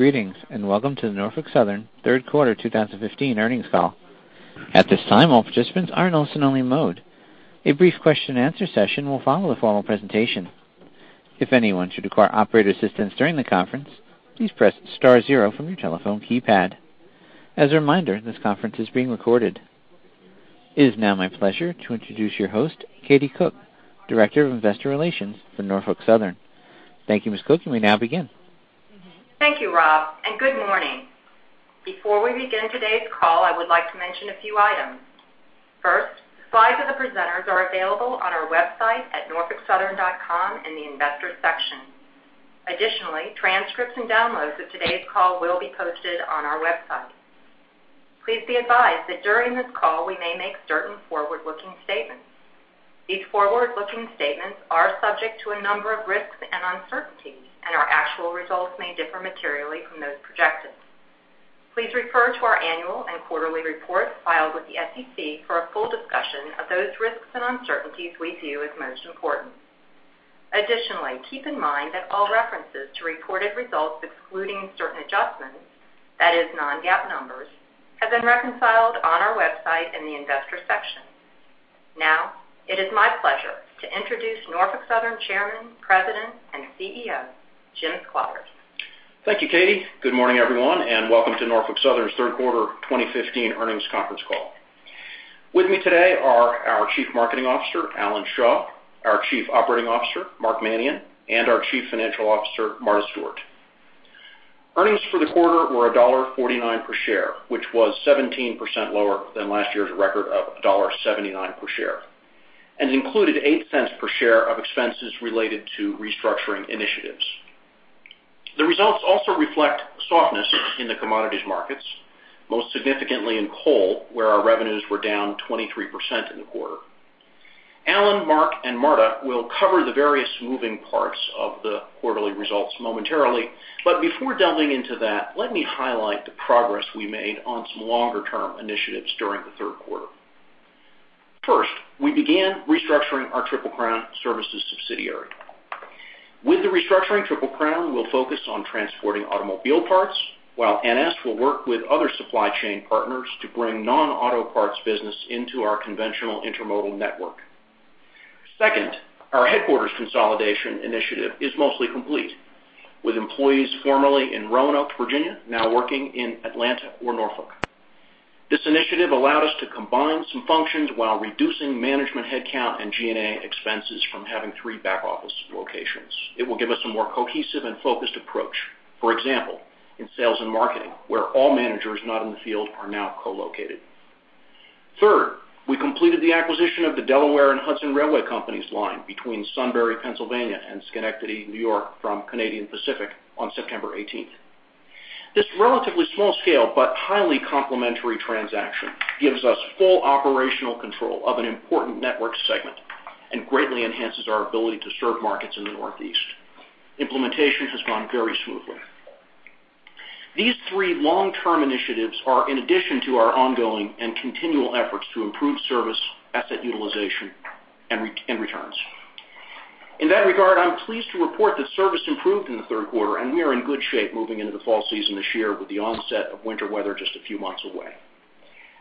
Greetings, welcome to the Norfolk Southern third quarter 2015 earnings call. At this time, all participants are in listen-only mode. A brief question-and-answer session will follow the formal presentation. If anyone should require operator assistance during the conference, please press star zero from your telephone keypad. As a reminder, this conference is being recorded. It is now my pleasure to introduce your host, Katie Cook, Director of Investor Relations for Norfolk Southern. Thank you, Ms. Cook. You may now begin. Thank you, Rob, good morning. Before we begin today's call, I would like to mention a few items. First, the slides of the presenters are available on our website at norfolksouthern.com in the Investors section. Additionally, transcripts and downloads of today's call will be posted on our website. Please be advised that during this call, we may make certain forward-looking statements. These forward-looking statements are subject to a number of risks and uncertainties, and our actual results may differ materially from those projected. Please refer to our annual and quarterly reports filed with the SEC for a full discussion of those risks and uncertainties we view as most important. Additionally, keep in mind that all references to reported results excluding certain adjustments, that is non-GAAP numbers, have been reconciled on our website in the Investors section. Now, it is my pleasure to introduce Norfolk Southern Chairman, President, and CEO, Jim Squires. Thank you, Katie. Good morning, everyone, welcome to Norfolk Southern's third quarter 2015 earnings conference call. With me today are our Chief Marketing Officer, Alan Shaw, our Chief Operating Officer, Mark Manion, and our Chief Financial Officer, Marta Stewart. Earnings for the quarter were $1.49 per share, which was 17% lower than last year's record of $1.79 per share and included $0.08 per share of expenses related to restructuring initiatives. The results also reflect softness in the commodities markets, most significantly in coal, where our revenues were down 23% in the quarter. Alan, Mark, and Marta will cover the various moving parts of the quarterly results momentarily, before delving into that, let me highlight the progress we made on some longer-term initiatives during the third quarter. First, we began restructuring our Triple Crown Services subsidiary. With the restructuring, Triple Crown will focus on transporting automobile parts, while NS will work with other supply chain partners to bring non-auto parts business into our conventional intermodal network. Second, our headquarters consolidation initiative is mostly complete, with employees formerly in Roanoke, Virginia, now working in Atlanta or Norfolk. This initiative allowed us to combine some functions while reducing management headcount and G&A expenses from having three back-office locations. It will give us a more cohesive and focused approach. For example, in sales and marketing, where all managers not in the field are now co-located. Third, we completed the acquisition of the Delaware and Hudson Railway Companies line between Sunbury, Pennsylvania, and Schenectady, New York, from Canadian Pacific on September 18th. This relatively small scale but highly complementary transaction gives us full operational control of an important network segment and greatly enhances our ability to serve markets in the Northeast. Implementation has gone very smoothly. These three long-term initiatives are in addition to our ongoing and continual efforts to improve service, asset utilization, and returns. In that regard, I'm pleased to report that service improved in the third quarter, and we are in good shape moving into the fall season this year with the onset of winter weather just a few months away.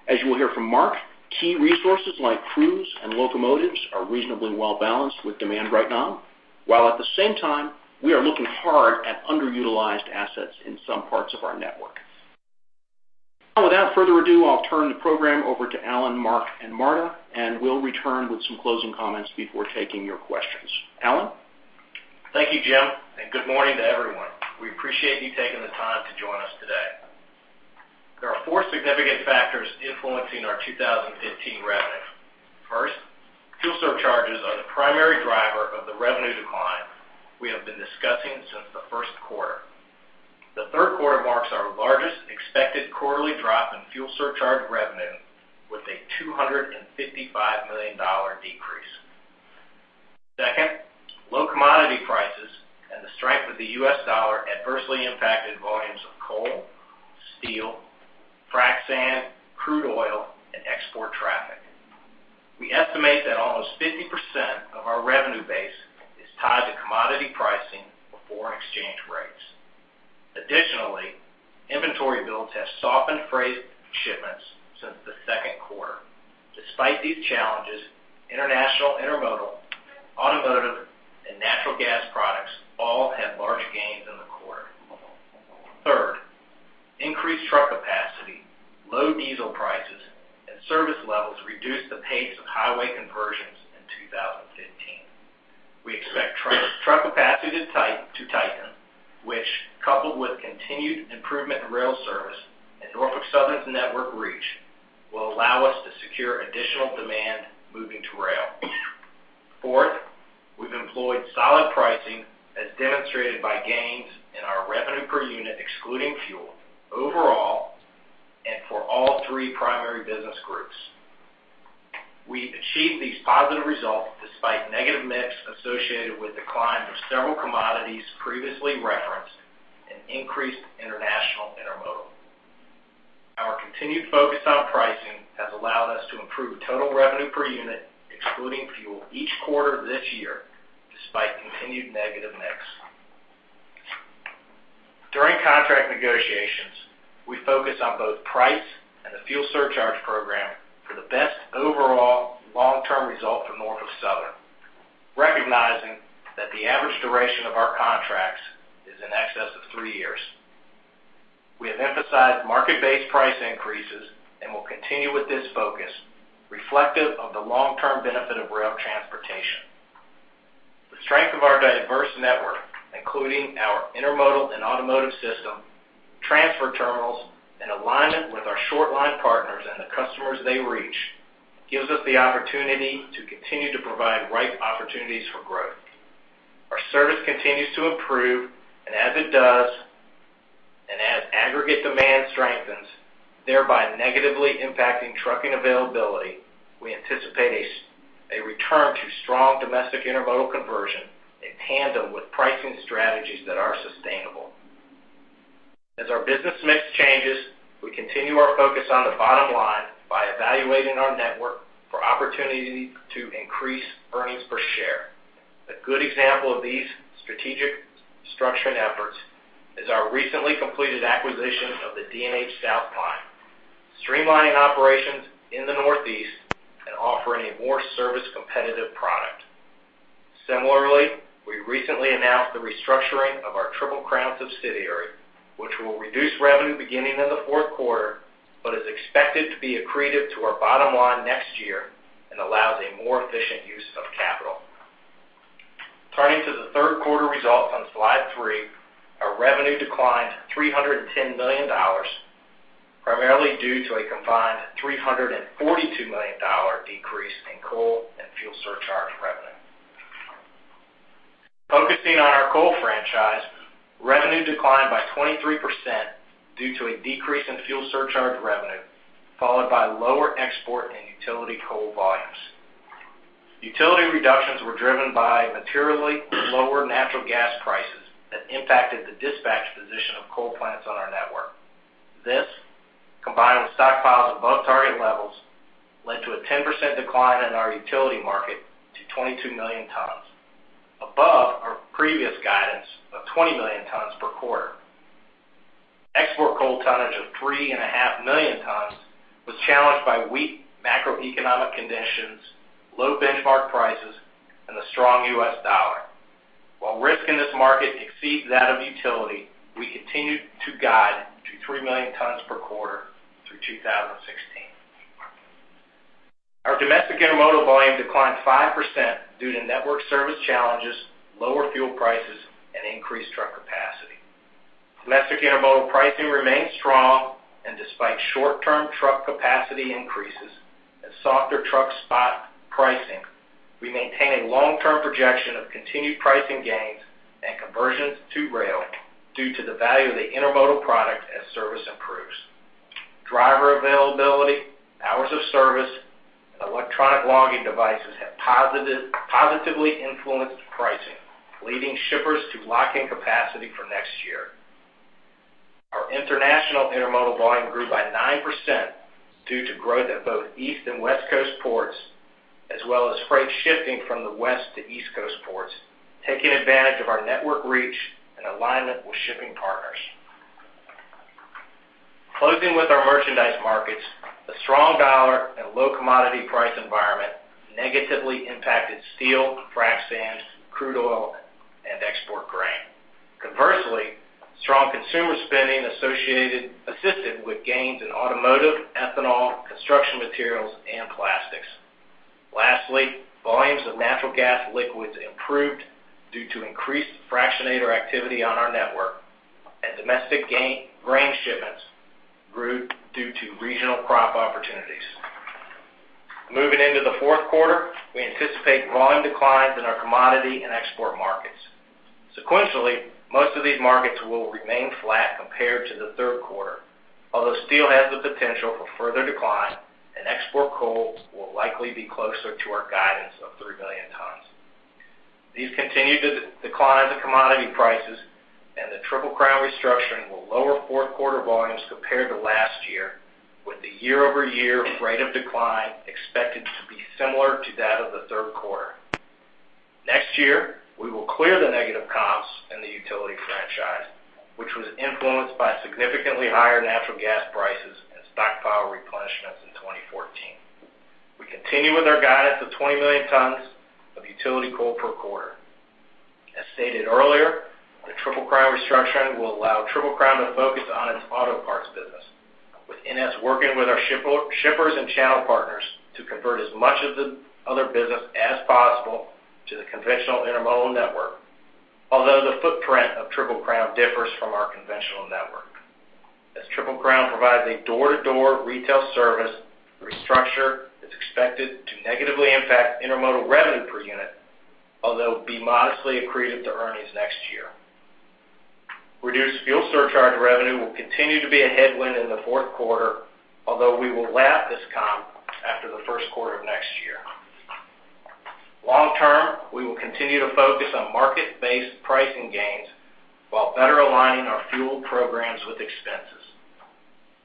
As you will hear from Mark, key resources like crews and locomotives are reasonably well-balanced with demand right now. While at the same time, we are looking hard at underutilized assets in some parts of our network. Now, without further ado, I'll turn the program over to Alan, Mark, and Marta, and we'll return with some closing comments before taking your questions. Alan? Thank you, Jim, and good morning to everyone. We appreciate you taking the time to join us today. There are four significant factors influencing our 2015 revenue. First, fuel surcharges are the primary driver of the revenue decline we have been discussing since the first quarter. The third quarter marks our largest expected quarterly drop in fuel surcharge revenue with a $255 million decrease. Second, low commodity prices and the strength of the U.S. dollar adversely impacted volumes of coal, steel, frac sand, crude oil, and export traffic. We estimate that almost 50% of our revenue base is tied to commodity pricing or foreign exchange rates. Additionally, inventory builds have softened freight shipments since the second quarter. Despite these challenges, international intermodal, automotive, and natural gas products all had large gains in the quarter. Third, increased truck capacity, low diesel prices, and service levels reduced the pace of highway conversions in 2015. We expect truck capacity to tighten, which, coupled with continued improvement in rail service and Norfolk Southern's network reach, will allow us to secure additional demand moving to rail. Fourth, we've employed solid pricing as demonstrated by gains in our RPU ex-fuel overall and for all three primary business groups. We've achieved these positive results despite negative mix associated with decline of several commodities previously referenced and increased international intermodal. Continued focus on pricing has allowed us to improve total RPU ex-fuel each quarter this year, despite continued negative mix. During contract negotiations, we focus on both price and the fuel surcharge program for the best overall long-term result for Norfolk Southern, recognizing that the average duration of our contracts is in excess of three years. We have emphasized market-based price increases and will continue with this focus, reflective of the long-term benefit of rail transportation. The strength of our diverse network, including our intermodal and automotive system, transfer terminals, and alignment with our short line partners and the customers they reach, gives us the opportunity to continue to provide right opportunities for growth. Our service continues to improve, and as it does, as aggregate demand strengthens, thereby negatively impacting trucking availability, we anticipate a return to strong domestic intermodal conversion in tandem with pricing strategies that are sustainable. As our business mix changes, we continue our focus on the bottom line by evaluating our network for opportunity to increase earnings per share. A good example of these strategic structuring efforts is our recently completed acquisition of the D&H South Line, streamlining operations in the Northeast and offering a more service competitive product. Similarly, we recently announced the restructuring of our Triple Crown subsidiary, which will reduce revenue beginning in the fourth quarter, is expected to be accretive to our bottom line next year and allows a more efficient use of capital. Turning to the third quarter results on slide three, our revenue declined $310 million, primarily due to a combined $342 million decrease in coal and fuel surcharge revenue. Focusing on our coal franchise, revenue declined by 23% due to a decrease in fuel surcharge revenue, followed by lower export and utility coal volumes. Utility reductions were driven by materially lower natural gas prices that impacted the dispatch position of coal plants on our network. This, combined with stockpiles above target levels, led to a 10% decline in our utility market to 22 million tons, above our previous guidance of 20 million tons per quarter. Export coal tonnage of three and a half million tons was challenged by weak macroeconomic conditions, low benchmark prices, and a strong US dollar. While risk in this market exceeds that of utility, we continue to guide to three million tons per quarter through 2016. Our domestic intermodal volume declined 5% due to network service challenges, lower fuel prices, and increased truck capacity. Domestic intermodal pricing remains strong, despite short-term truck capacity increases and softer truck spot pricing, we maintain a long-term projection of continued pricing gains and conversions to rail due to the value of the intermodal product as service improves. Driver availability, hours of service, and electronic logging devices have positively influenced pricing, leading shippers to lock in capacity for next year. Our international intermodal volume grew by 9% due to growth at both East and West Coast ports, as well as freight shifting from the West to East Coast ports, taking advantage of our network reach and alignment with shipping partners. Closing with our merchandise markets, the strong dollar and low commodity price environment negatively impacted steel, frac sand, crude oil, and export grain. Conversely, strong consumer spending assisted with gains in automotive, ethanol, construction materials, and plastics. Lastly, volumes of natural gas liquids improved due to increased fractionator activity on our network, and domestic grain shipments grew due to regional crop opportunities. Moving into the fourth quarter, we anticipate volume declines in our commodity and export markets. Sequentially, most of these markets will remain flat compared to the third quarter, although steel has the potential for further decline and export coal will likely be closer to our guidance of 3 million tons. These continued declines in commodity prices and the Triple Crown restructuring will lower fourth quarter volumes compared to last year, with the year-over-year rate of decline expected to be similar to that of the third quarter. Next year, we will clear the negative comps in the utility franchise, which was influenced by significantly higher natural gas prices and stockpile replenishments in 2014. We continue with our guidance of 20 million tons of utility coal per quarter. As stated earlier, the Triple Crown restructuring will allow Triple Crown to focus on its auto parts business, with NS working with our shippers and channel partners to convert as much of the other business as possible to the conventional intermodal network, although the footprint of Triple Crown differs from our conventional network. As Triple Crown provides a door-to-door retail service restructure that's expected to negatively impact intermodal revenue per unit, although be modestly accretive to earnings next year. Reduced fuel surcharge revenue will continue to be a headwind in the fourth quarter, although we will lap this comp after the first quarter of next year. Long term, we will continue to focus on market-based pricing gains while better aligning our fuel programs with expenses.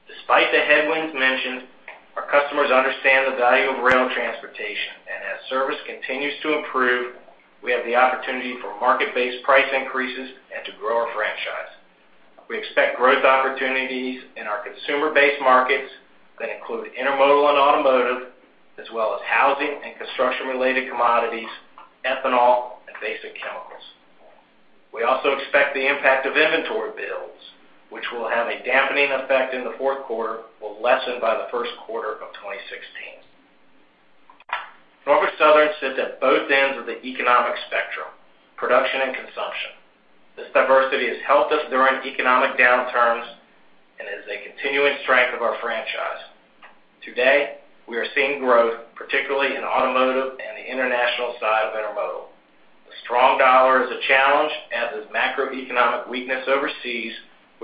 Despite the headwinds mentioned, our customers understand the value of rail transportation, and as service continues to improve, we have the opportunity for market-based price increases and to grow our franchise. We expect growth opportunities in our consumer-based markets that include intermodal and automotive, as well as housing and construction-related commodities, ethanol, and basic chemicals. We also expect the impact of inventory builds, which will have a dampening effect in the fourth quarter, will lessen by the first quarter of 2016. Norfolk Southern sits at both ends of the economic spectrum, production and consumption. This diversity has helped us during economic downturns and is a continuing strength of our franchise. Today, we are seeing growth, particularly in automotive and the international side of intermodal. The strong dollar is a challenge, as is macroeconomic weakness overseas,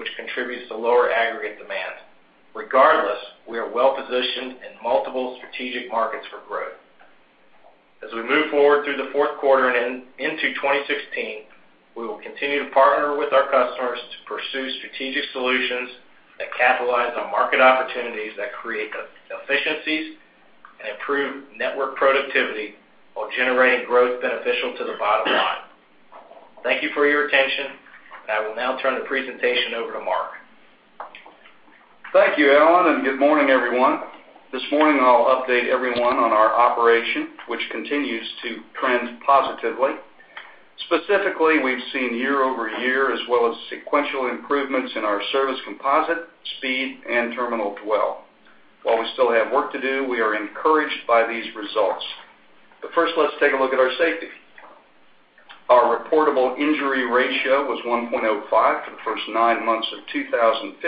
which contributes to lower aggregate demand. Regardless, we are well-positioned in multiple strategic markets for growth. As we move forward through the fourth quarter and into 2016, we will continue to partner with our customers to pursue strategic solutions that capitalize on market opportunities that create efficiencies and improve network productivity while generating growth beneficial to the bottom line. Thank you for your attention, and I will now turn the presentation over to Mark. Thank you, Alan, and good morning, everyone. This morning, I'll update everyone on our operation, which continues to trend positively. Specifically, we've seen year-over-year as well as sequential improvements in our service composite, speed, and terminal dwell. While we still have work to do, we are encouraged by these results. First, let's take a look at our safety. Our reportable injury ratio was 1.05 for the first nine months of 2015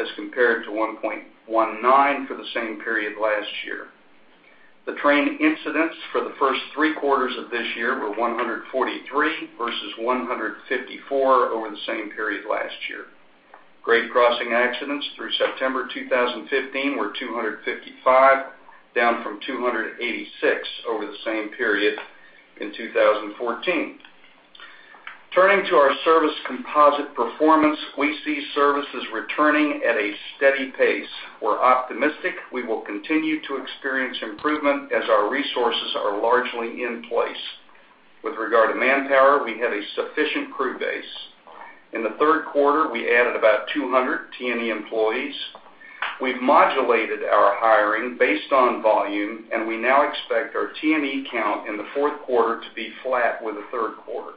as compared to 1.19 for the same period last year. The train incidents for the first three quarters of this year were 143 versus 154 over the same period last year. Grade crossing accidents through September 2015 were 255, down from 286 over the same period in 2014. Turning to our service composite performance, we see services returning at a steady pace. We're optimistic we will continue to experience improvement as our resources are largely in place. With regard to manpower, we have a sufficient crew base. In the third quarter, we added about 200 T&E employees. We've modulated our hiring based on volume, and we now expect our T&E count in the fourth quarter to be flat with the third quarter.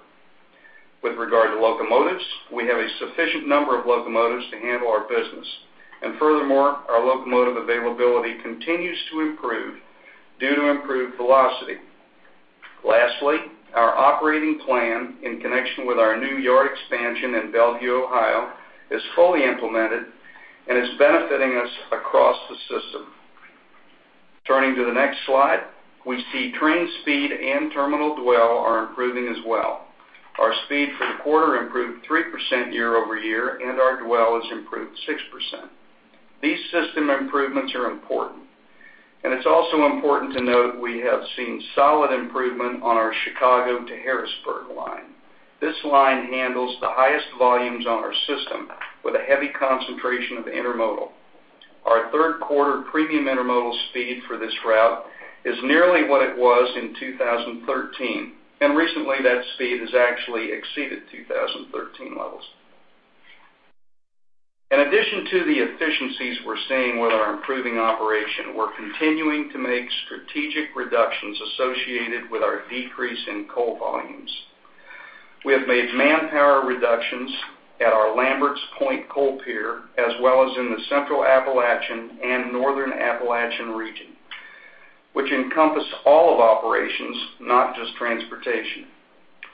With regard to locomotives, we have a sufficient number of locomotives to handle our business. Furthermore, our locomotive availability continues to improve due to improved velocity. Lastly, our operating plan in connection with our new yard expansion in Bellevue, Ohio is fully implemented and is benefiting us across the system. Turning to the next slide, we see train speed and terminal dwell are improving as well. Our speed for the quarter improved 3% year-over-year, and our dwell has improved 6%. These system improvements are important. It's also important to note we have seen solid improvement on our Chicago to Harrisburg line. This line handles the highest volumes on our system with a heavy concentration of intermodal. Our third quarter premium intermodal speed for this route is nearly what it was in 2013, and recently, that speed has actually exceeded 2013 levels. In addition to the efficiencies we're seeing with our improving operation, we're continuing to make strategic reductions associated with our decrease in coal volumes. We have made manpower reductions at our Lambert's Point coal pier, as well as in the Central Appalachia and Northern Appalachian region, which encompass all of operations, not just transportation.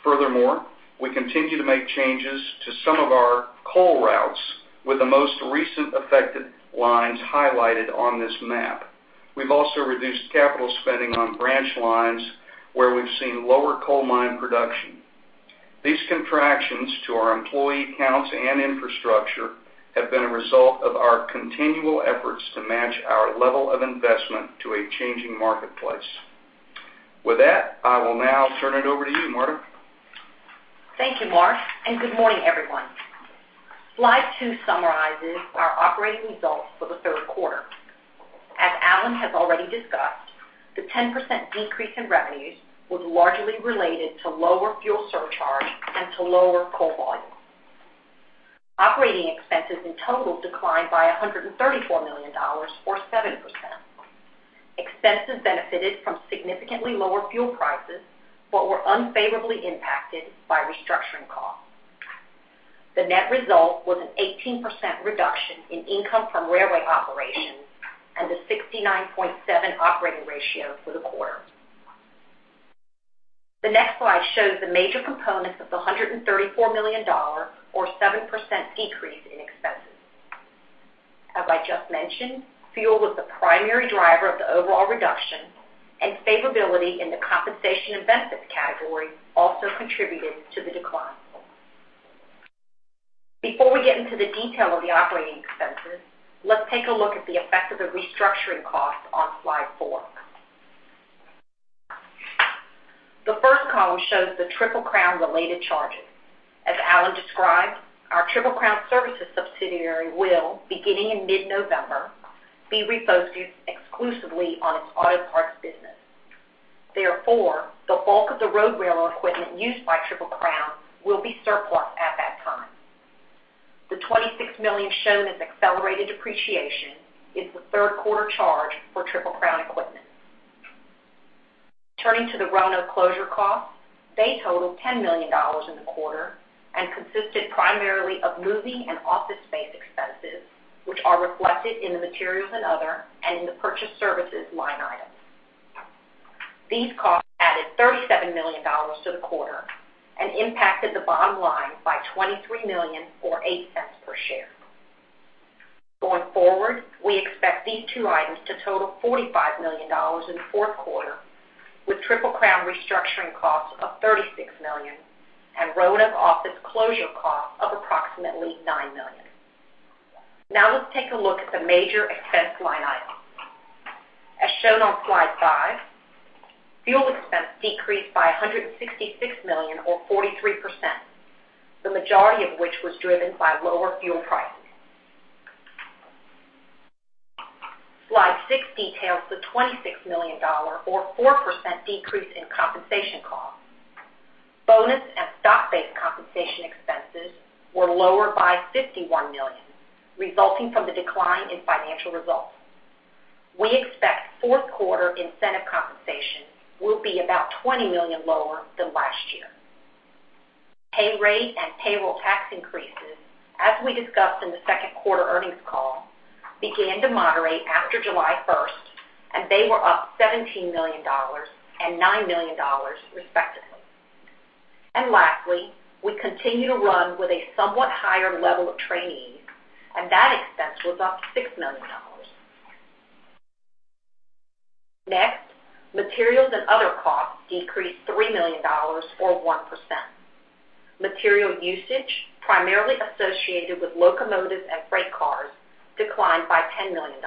Furthermore, we continue to make changes to some of our coal routes, with the most recent affected lines highlighted on this map. We've also reduced capital spending on branch lines where we've seen lower coal mine production. These contractions to our employee counts and infrastructure have been a result of our continual efforts to match our level of investment to a changing marketplace. With that, I will now turn it over to you, Marta. Thank you, Mark, and good morning, everyone. Slide two summarizes our operating results for the third quarter. As Alan has already discussed, the 10% decrease in revenues was largely related to lower fuel surcharge and to lower coal volume. Operating expenses in total declined by $134 million or 7%. Expenses benefited from significantly lower fuel prices but were unfavorably impacted by restructuring costs. The net result was an 18% reduction in income from railway operations and a 69.7 operating ratio for the quarter. The next slide shows the major components of the $134 million or 7% decrease in expenses. Favorability in the compensation and benefits category also contributed to the decline. Before we get into the detail of the operating expenses, let's take a look at the effect of the restructuring costs on slide four. The first column shows the Triple Crown related charges. As Alan described, our Triple Crown Services subsidiary will, beginning in mid-November, be refocused exclusively on its auto parts business. Therefore, the bulk of the RoadRailer equipment used by Triple Crown will be surplus at that time. The $26 million shown as accelerated depreciation is the third quarter charge for Triple Crown equipment. Turning to the Roanoke closure costs, they totaled $10 million in the quarter and consisted primarily of moving and office space expenses, which are reflected in the materials and other and in the purchased services line items. These costs added $37 million to the quarter and impacted the bottom line by $23 million or $0.08 per share. Going forward, we expect these two items to total $45 million in the fourth quarter, with Triple Crown restructuring costs of $36 million and Roanoke office closure costs of approximately $9 million. Let's take a look at the major expense line items. As shown on slide five, fuel expense decreased by $166 million or 43%, the majority of which was driven by lower fuel prices. Slide six details the $26 million or 4% decrease in compensation costs. Bonus and stock-based compensation expenses were lower by $51 million, resulting from the decline in financial results. We expect fourth quarter incentive compensation will be about $20 million lower than last year. Pay rate and payroll tax increases, as we discussed in the second quarter earnings call, began to moderate after July 1st. They were up $17 million and $9 million respectively. We continue to run with a somewhat higher level of trainees, and that expense was up $6 million. Materials and other costs decreased $3 million or 1%. Material usage, primarily associated with locomotives and freight cars, declined by $10 million.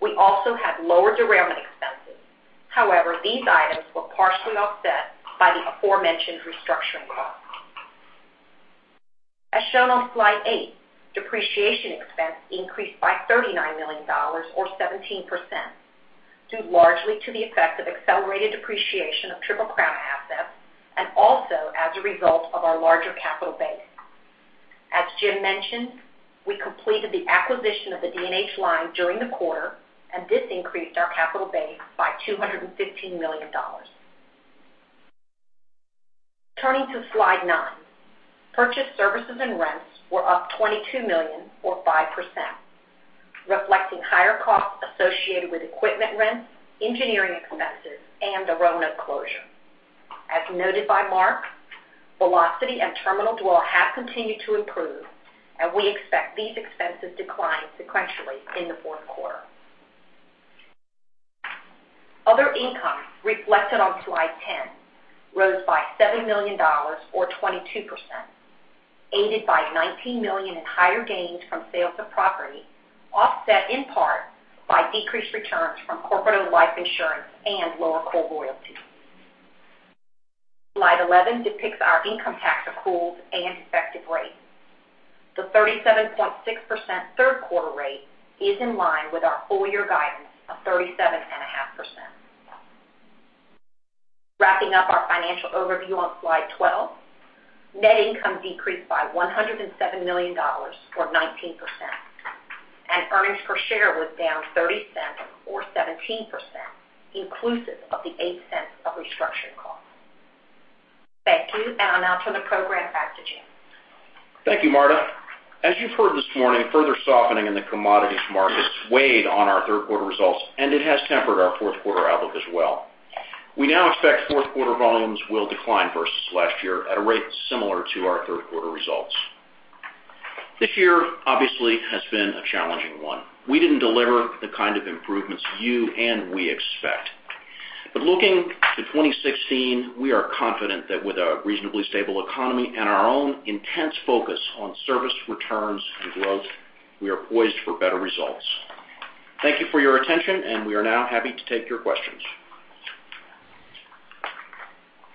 We also had lower derailment expenses. These items were partially offset by the aforementioned restructuring costs. As shown on slide eight, depreciation expense increased by $39 million or 17%, due largely to the effect of accelerated depreciation of Triple Crown assets, and also as a result of our larger capital base. As Jim mentioned, we completed the acquisition of the D&H line during the quarter, and this increased our capital base by $215 million. Purchased services and rents were up $22 million or 5%, reflecting higher costs associated with equipment rents, engineering expenses, and the Roanoke closure. As noted by Mark, velocity and terminal dwell have continued to improve. We expect these expenses decline sequentially in the fourth quarter. Other income reflected on slide 10 rose by $7 million or 22%, aided by $19 million in higher gains from sales of property, offset in part by decreased returns from corporate-owned life insurance and lower coal royalties. Slide 11 depicts our income tax accruals and effective rate. The 37.6% third quarter rate is in line with our full year guidance of 37.5%. Net income decreased by $107 million or 19%, and earnings per share was down $0.30 or 17%, inclusive of the $0.08 of restructuring costs. Thank you. I'll now turn the program back to Jim. Thank you, Marta. As you've heard this morning, further softening in the commodities markets weighed on our third quarter results. It has tempered our fourth quarter outlook as well. We now expect fourth quarter volumes will decline versus last year at a rate similar to our third quarter results. This year obviously has been a challenging one. We didn't deliver the kind of improvements you and we expect. Looking to 2016, we are confident that with a reasonably stable economy and our own intense focus on service returns and growth, we are poised for better results. Thank you for your attention. We are now happy to take your questions.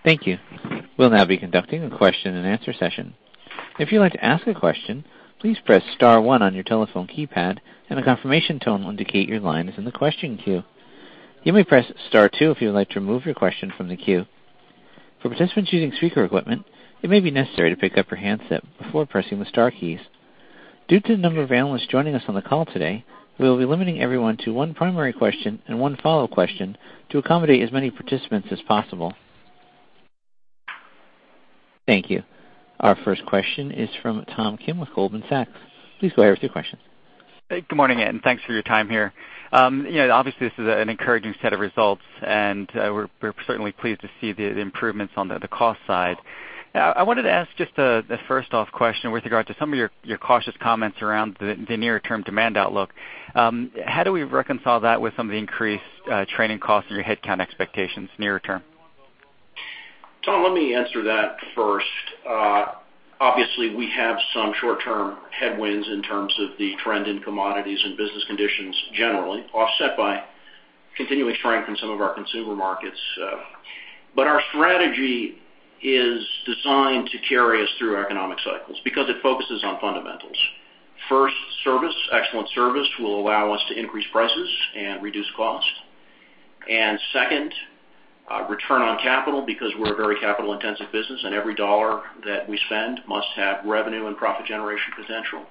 Thank you. We'll now be conducting a question and answer session. If you'd like to ask a question, please press *1 on your telephone keypad. A confirmation tone will indicate your line is in the question queue. You may press *2 if you would like to remove your question from the queue. For participants using speaker equipment, it may be necessary to pick up your handset before pressing the star keys. Due to the number of analysts joining us on the call today, we will be limiting everyone to one primary question and one follow-up question to accommodate as many participants as possible. Thank you. Our first question is from Thomas Kim with Goldman Sachs. Please go ahead with your question. Good morning. Thanks for your time here. Obviously, this is an encouraging set of results, and we're certainly pleased to see the improvements on the cost side. I wanted to ask just a first-off question with regard to some of your cautious comments around the near-term demand outlook. How do we reconcile that with some of the increased training costs and your headcount expectations near-term? Tom, let me answer that first. Obviously, we have some short-term headwinds in terms of the trend in commodities and business conditions generally, offset by continuing strength in some of our consumer markets. Our strategy is designed to carry us through economic cycles because it focuses on fundamentals. First, service, excellent service will allow us to increase prices and reduce cost. Second, return on capital because we're a very capital-intensive business, and every dollar that we spend must have revenue and profit generation potential.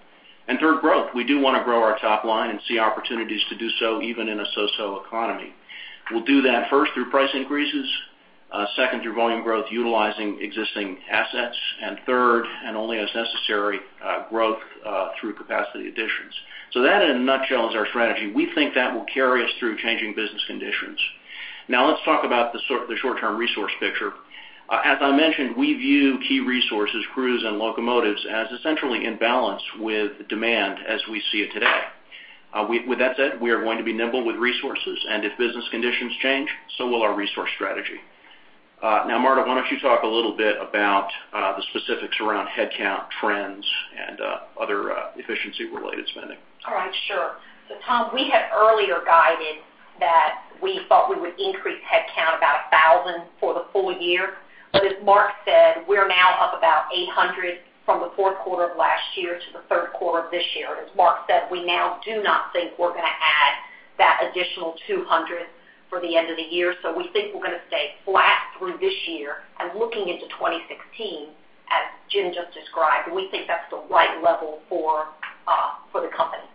Third, growth. We do want to grow our top line and see opportunities to do so even in a so-so economy. We'll do that first through price increases, second through volume growth utilizing existing assets, and third, and only as necessary, growth through capacity additions. That, in a nutshell, is our strategy. We think that will carry us through changing business conditions. Let's talk about the short-term resource picture. As I mentioned, we view key resources, crews, and locomotives as essentially in balance with demand as we see it today. With that said, we are going to be nimble with resources, and if business conditions change, so will our resource strategy. Marta, why don't you talk a little bit about the specifics around headcount trends and other efficiency-related spending? All right, sure. Tom, we had earlier guided that we thought we would increase headcount about 1,000 for the full year. As Mark said, we're now up about 800 from the fourth quarter of last year to the third quarter of this year. As Mark said, we now do not think we're going to add that additional 200 for the end of the year. We think we're going to stay flat through this year and looking into 2016, as Jim just described, we think that's the right level for the company.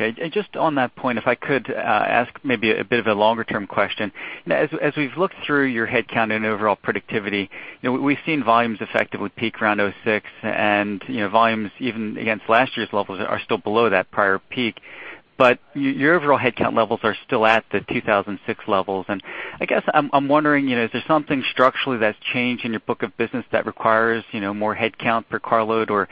Okay. Just on that point, if I could ask maybe a bit of a longer-term question. As we've looked through your headcount and overall productivity, we've seen volumes effectively peak around 2006, and volumes even against last year's levels are still below that prior peak. Your overall headcount levels are still at the 2006 levels. I guess I'm wondering, is there something structurally that's changed in your book of business that requires more headcount per car load, or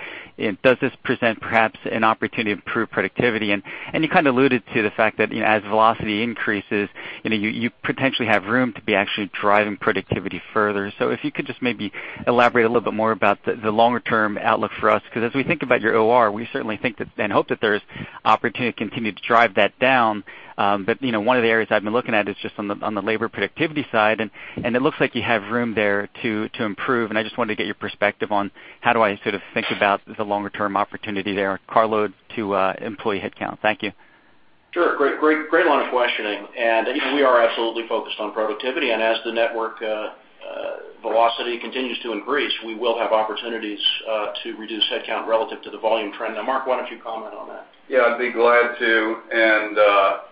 does this present perhaps an opportunity to improve productivity? You kind of alluded to the fact that as velocity increases, you potentially have room to be actually driving productivity further. If you could just maybe elaborate a little bit more about the longer-term outlook for us, because as we think about your OR, we certainly think and hope that there's opportunity to continue to drive that down. One of the areas I've been looking at is just on the labor productivity side, it looks like you have room there to improve. I just wanted to get your perspective on how do I sort of think about the longer-term opportunity there, car load to employee headcount. Thank you. Sure. Great line of questioning. We are absolutely focused on productivity. As the network velocity continues to increase, we will have opportunities to reduce headcount relative to the volume trend. Now, Mark, why don't you comment on that? Yeah, I'd be glad to.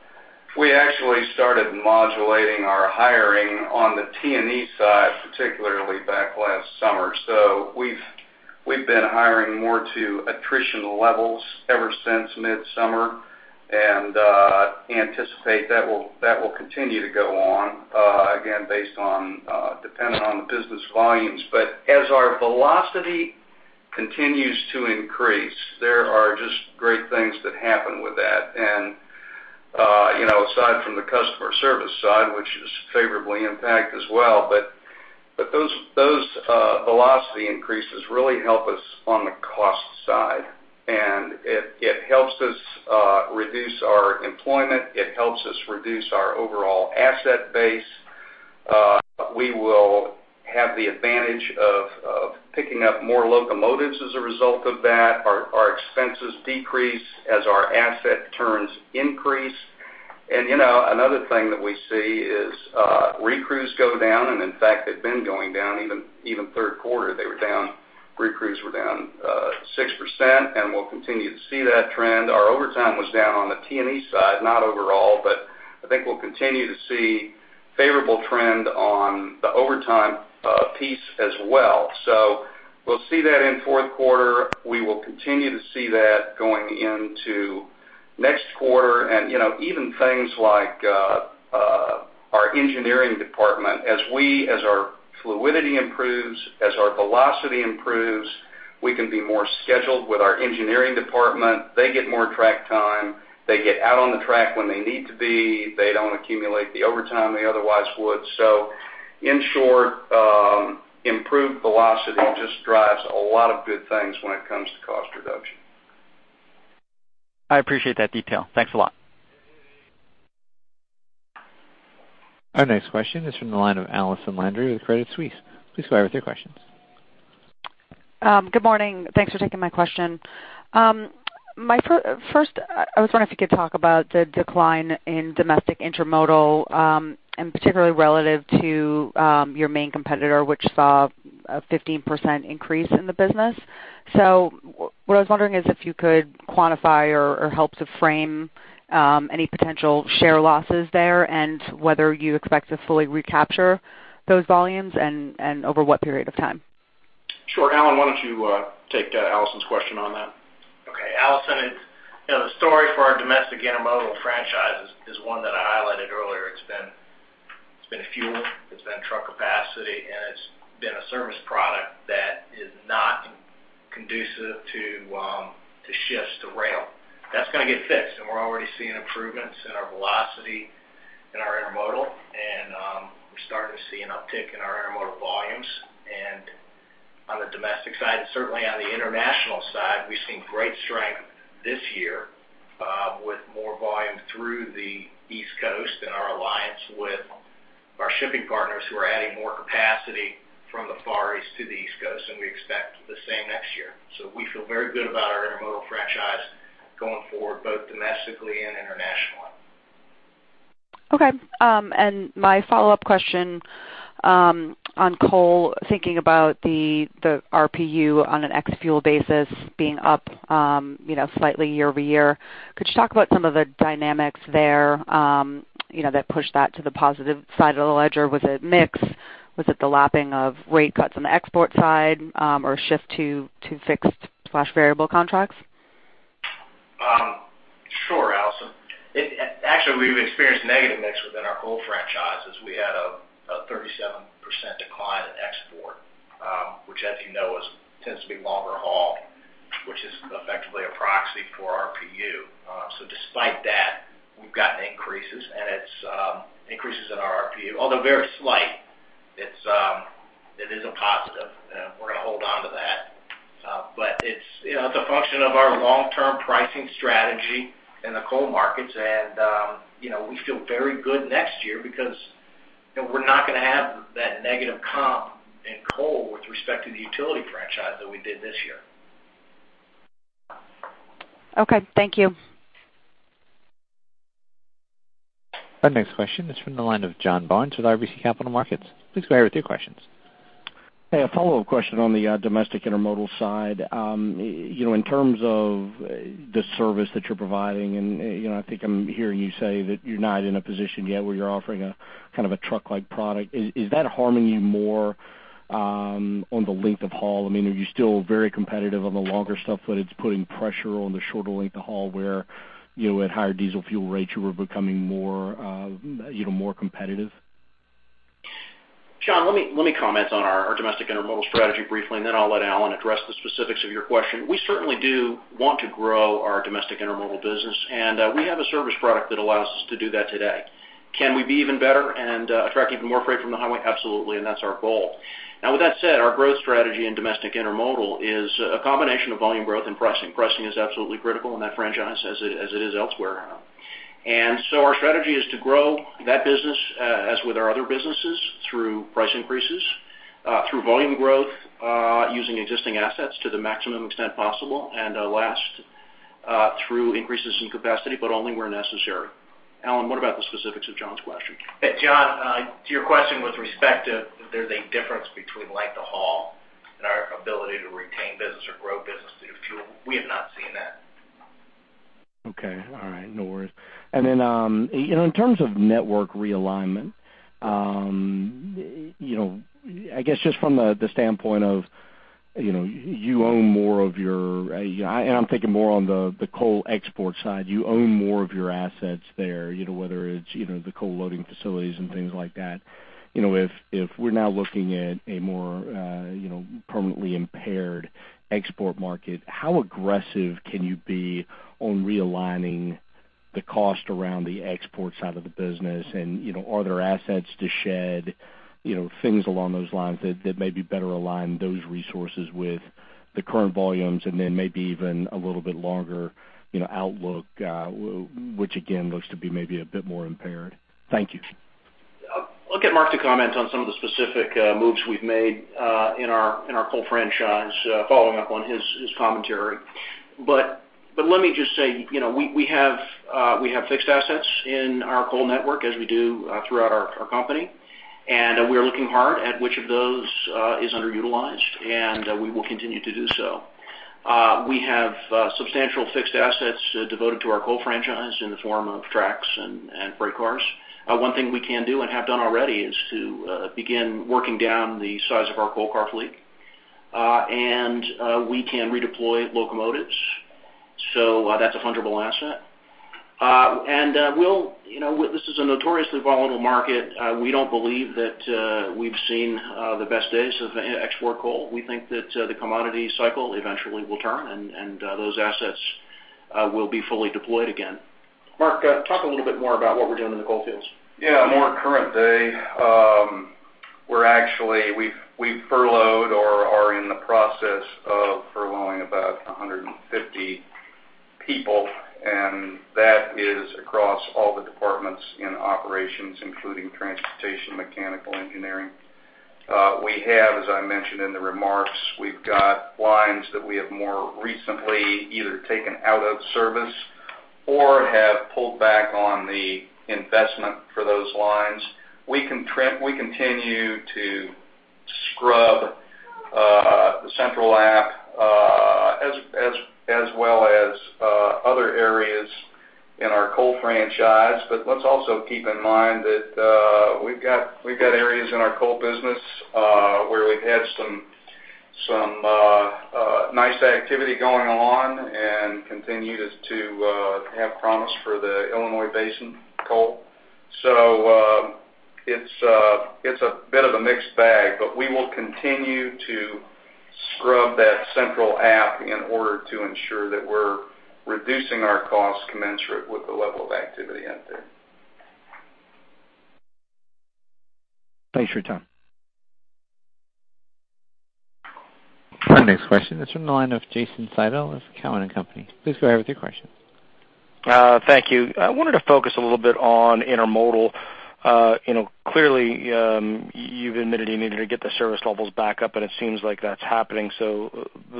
We actually started modulating our hiring on the T&E side, particularly back last summer. We've been hiring more to attrition levels ever since midsummer and anticipate that will continue to go on, again, dependent on the business volumes. As our velocity continues to increase, there are just great things that happen with that. Aside from the customer service side, which is favorably impacted as well, those velocity increases really help us on the cost side. It helps us reduce our employment. It helps us reduce our overall asset base. We will have the advantage of picking up more locomotives as a result of that. Our expenses decrease as our asset turns increase. Another thing that we see is recrews go down, and in fact, they've been going down. Even third quarter, recrews were down 6%. We'll continue to see that trend. Our overtime was down on the T&E side, not overall, but I think we'll continue to see a favorable trend on the overtime piece as well. We'll see that in the fourth quarter. We will continue to see that going into next quarter. Even things like our engineering department, as our fluidity improves, as our velocity improves, we can be more scheduled with our engineering department. They get more track time. They get out on the track when they need to be. They don't accumulate the overtime they otherwise would. In short, improved velocity just drives a lot of good things when it comes to cost reduction. I appreciate that detail. Thanks a lot. Our next question is from the line of Allison Landry with Credit Suisse. Please go ahead with your questions. Good morning. Thanks for taking my question. First, I was wondering if you could talk about the decline in domestic intermodal, and particularly relative to your main competitor, which saw a 15% increase in the business. What I was wondering is if you could quantify or help to frame any potential share losses there, and whether you expect to fully recapture those volumes and over what period of time. Sure, Alan, why don't you take Allison's question on that? Allison, the story for our domestic intermodal franchise is one that I highlighted earlier. It's been fuel, it's been truck capacity, and it's been a service product that conducive to shifts to rail. That's going to get fixed. We're already seeing improvements in our velocity in our intermodal, and we're starting to see an uptick in our intermodal volumes. On the domestic side and certainly on the international side, we've seen great strength this year with more volume through the East Coast and our alliance with our shipping partners who are adding more capacity from the Far East to the East Coast, and we expect the same next year. We feel very good about our intermodal franchise going forward, both domestically and internationally. My follow-up question on coal, thinking about the RPU on an ex-fuel basis being up slightly year-over-year. Could you talk about some of the dynamics there that pushed that to the positive side of the ledger? Was it mix? Was it the lapping of rate cuts on the export side or a shift to fixed/variable contracts? Sure, Allison. Actually, we've experienced negative mix within our coal franchises. We had a 37% decline in export, which as you know, tends to be longer haul, which is effectively a proxy for RPU. Despite that, we've gotten increases, and it increases in our RPU. Although very slight, it is a positive, and we're going to hold on to that. It's a function of our long-term pricing strategy in the coal markets, and we feel very good next year because we're not going to have that negative comp in coal with respect to the utility franchise that we did this year. Okay. Thank you. Our next question is from the line of John Barnes with RBC Capital Markets. Please go ahead with your questions. Hey, a follow-up question on the domestic intermodal side. In terms of the service that you're providing, and I think I'm hearing you say that you're not in a position yet where you're offering a truck-like product. Is that harming you more on the length of haul? Are you still very competitive on the longer stuff, but it's putting pressure on the shorter length of haul where at higher diesel fuel rates, you are becoming more competitive? John, let me comment on our domestic intermodal strategy briefly, and then I'll let Alan address the specifics of your question. We certainly do want to grow our domestic intermodal business, and we have a service product that allows us to do that today. Can we be even better and attract even more freight from the highway? Absolutely. That's our goal. Now, with that said, our growth strategy in domestic intermodal is a combination of volume growth and pricing. Pricing is absolutely critical in that franchise as it is elsewhere. Our strategy is to grow that business as with our other businesses through price increases, through volume growth using existing assets to the maximum extent possible, and last, through increases in capacity, but only where necessary. Alan, what about the specifics of John's question? John, to your question with respect to if there's a difference between length of haul and our ability to retain business or grow business due to fuel, we have not seen that. Okay. All right. No worries. In terms of network realignment, I guess just from the standpoint of, and I'm thinking more on the coal export side. You own more of your assets there, whether it's the coal loading facilities and things like that. If we're now looking at a more permanently impaired export market, how aggressive can you be on realigning the cost around the export side of the business? Are there assets to shed, things along those lines that maybe better align those resources with the current volumes and then maybe even a little bit longer outlook, which again, looks to be maybe a bit more impaired? Thank you. I'll get Mark to comment on some of the specific moves we've made in our coal franchise, following up on his commentary. Let me just say, we have fixed assets in our coal network as we do throughout our company, we are looking hard at which of those is underutilized, we will continue to do so. We have substantial fixed assets devoted to our coal franchise in the form of tracks and freight cars. One thing we can do and have done already is to begin working down the size of our coal car fleet. We can redeploy locomotives. That's a fungible asset. This is a notoriously volatile market. We don't believe that we've seen the best days of export coal. We think that the commodity cycle eventually will turn, those assets will be fully deployed again. Mark, talk a little bit more about what we're doing in the coal fields. Yeah, more current day. We've furloughed or are in the process of furloughing about 150 people, and that is across all the departments in operations, including transportation, mechanical engineering. We have, as I mentioned in the remarks, we've got lines that we have more recently either taken out of service or have pulled back on the investment for those lines. We continue to scrub the Central Appalachia as well as other areas in our coal franchise. Let's also keep in mind that we've got areas in our coal business where we've had some nice activity going on and continue to have promise for the Illinois Basin coal. It's a bit of a mixed bag. We will continue to scrub that Central Appalachia in order to ensure that we're reducing our costs commensurate with the level of activity out there. Thanks for your time. Our next question is from the line of Jason Seidl of Cowen and Company. Please go ahead with your question. Thank you. I wanted to focus a little bit on intermodal. Clearly, you've admitted you needed to get the service levels back up, and it seems like that's happening.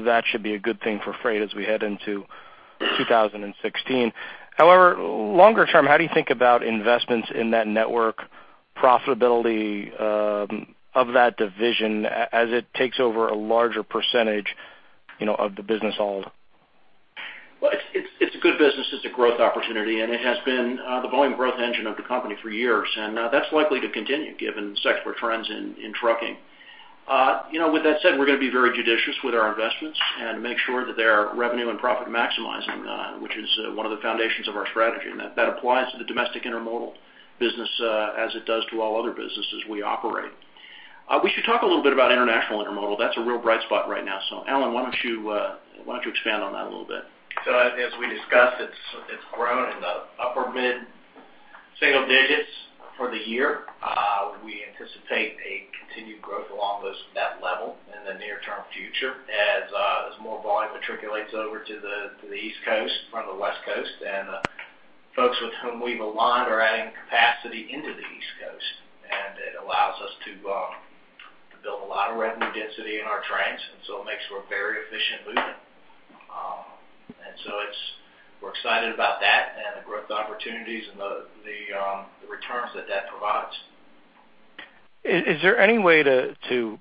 That should be a good thing for freight as we head into 2016. However, longer term, how do you think about investments in that network profitability of that division as it takes over a larger percentage of the business whole? Well, it's a good business. It's a growth opportunity, and it has been the volume growth engine of the company for years, and that's likely to continue given the export trends in trucking. With that said, we're going to be very judicious with our investments and make sure that they are revenue and profit maximizing, which is one of the foundations of our strategy. That applies to the domestic intermodal business as it does to all other businesses we operate. We should talk a little bit about international intermodal. That's a real bright spot right now. Alan, why don't you expand on that a little bit? As we discussed, it's grown in the upper mid-single digits for the year. We anticipate a continued growth along that level in the near-term future as more volume matriculates over to the East Coast from the West Coast. Folks with whom we've aligned are adding capacity into the East Coast, and it allows us to build a lot of revenue density in our trains, it makes for a very efficient movement. We're excited about that and the growth opportunities and the returns that that provides. Is there any way to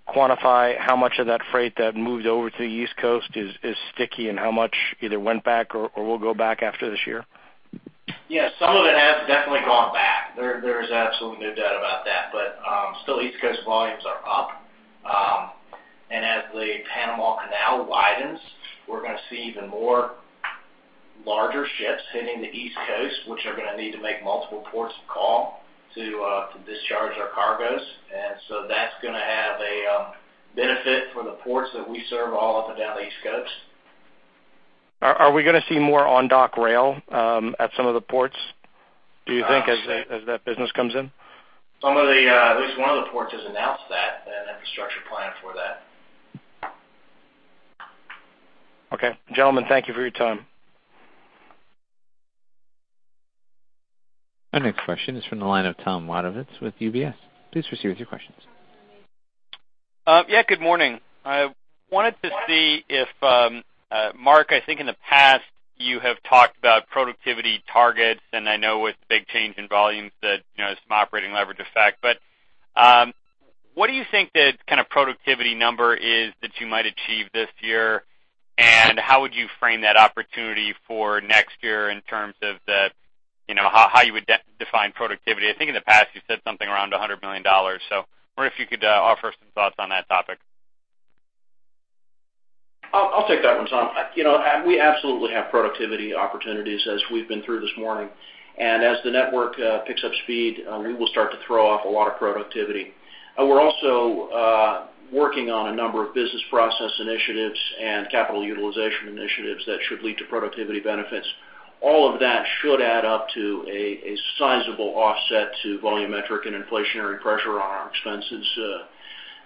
quantify how much of that freight that moves over to the East Coast is sticky, and how much either went back or will go back after this year? Yeah, some of it has definitely gone back. There is absolutely no doubt about that. Still East Coast volumes are up. As the Panama Canal widens, we're going to see even more larger ships hitting the East Coast, which are going to need to make multiple ports of call to discharge their cargoes. That's going to have a benefit for the ports that we serve all up and down the East Coast. Are we going to see more on-dock rail at some of the ports, do you think, as that business comes in? At least one of the ports has announced that, an infrastructure plan for that. Okay. Gentlemen, thank you for your time. Our next question is from the line of Thomas Wadewitz with UBS. Please proceed with your questions. Yeah, good morning. I wanted to see if, Mark, I think in the past, you have talked about productivity targets, and I know with big change in volumes that some operating leverage effect. What do you think the kind of productivity number is that you might achieve this year, and how would you frame that opportunity for next year in terms of how you would de-define productivity? I think in the past you said something around $100 million. I wonder if you could offer some thoughts on that topic. I'll take that one, Tom. We absolutely have productivity opportunities as we've been through this morning. As the network picks up speed, we will start to throw off a lot of productivity. We're also working on a number of business process initiatives and capital utilization initiatives that should lead to productivity benefits. All of that should add up to a sizable offset to volumetric and inflationary pressure on our expenses,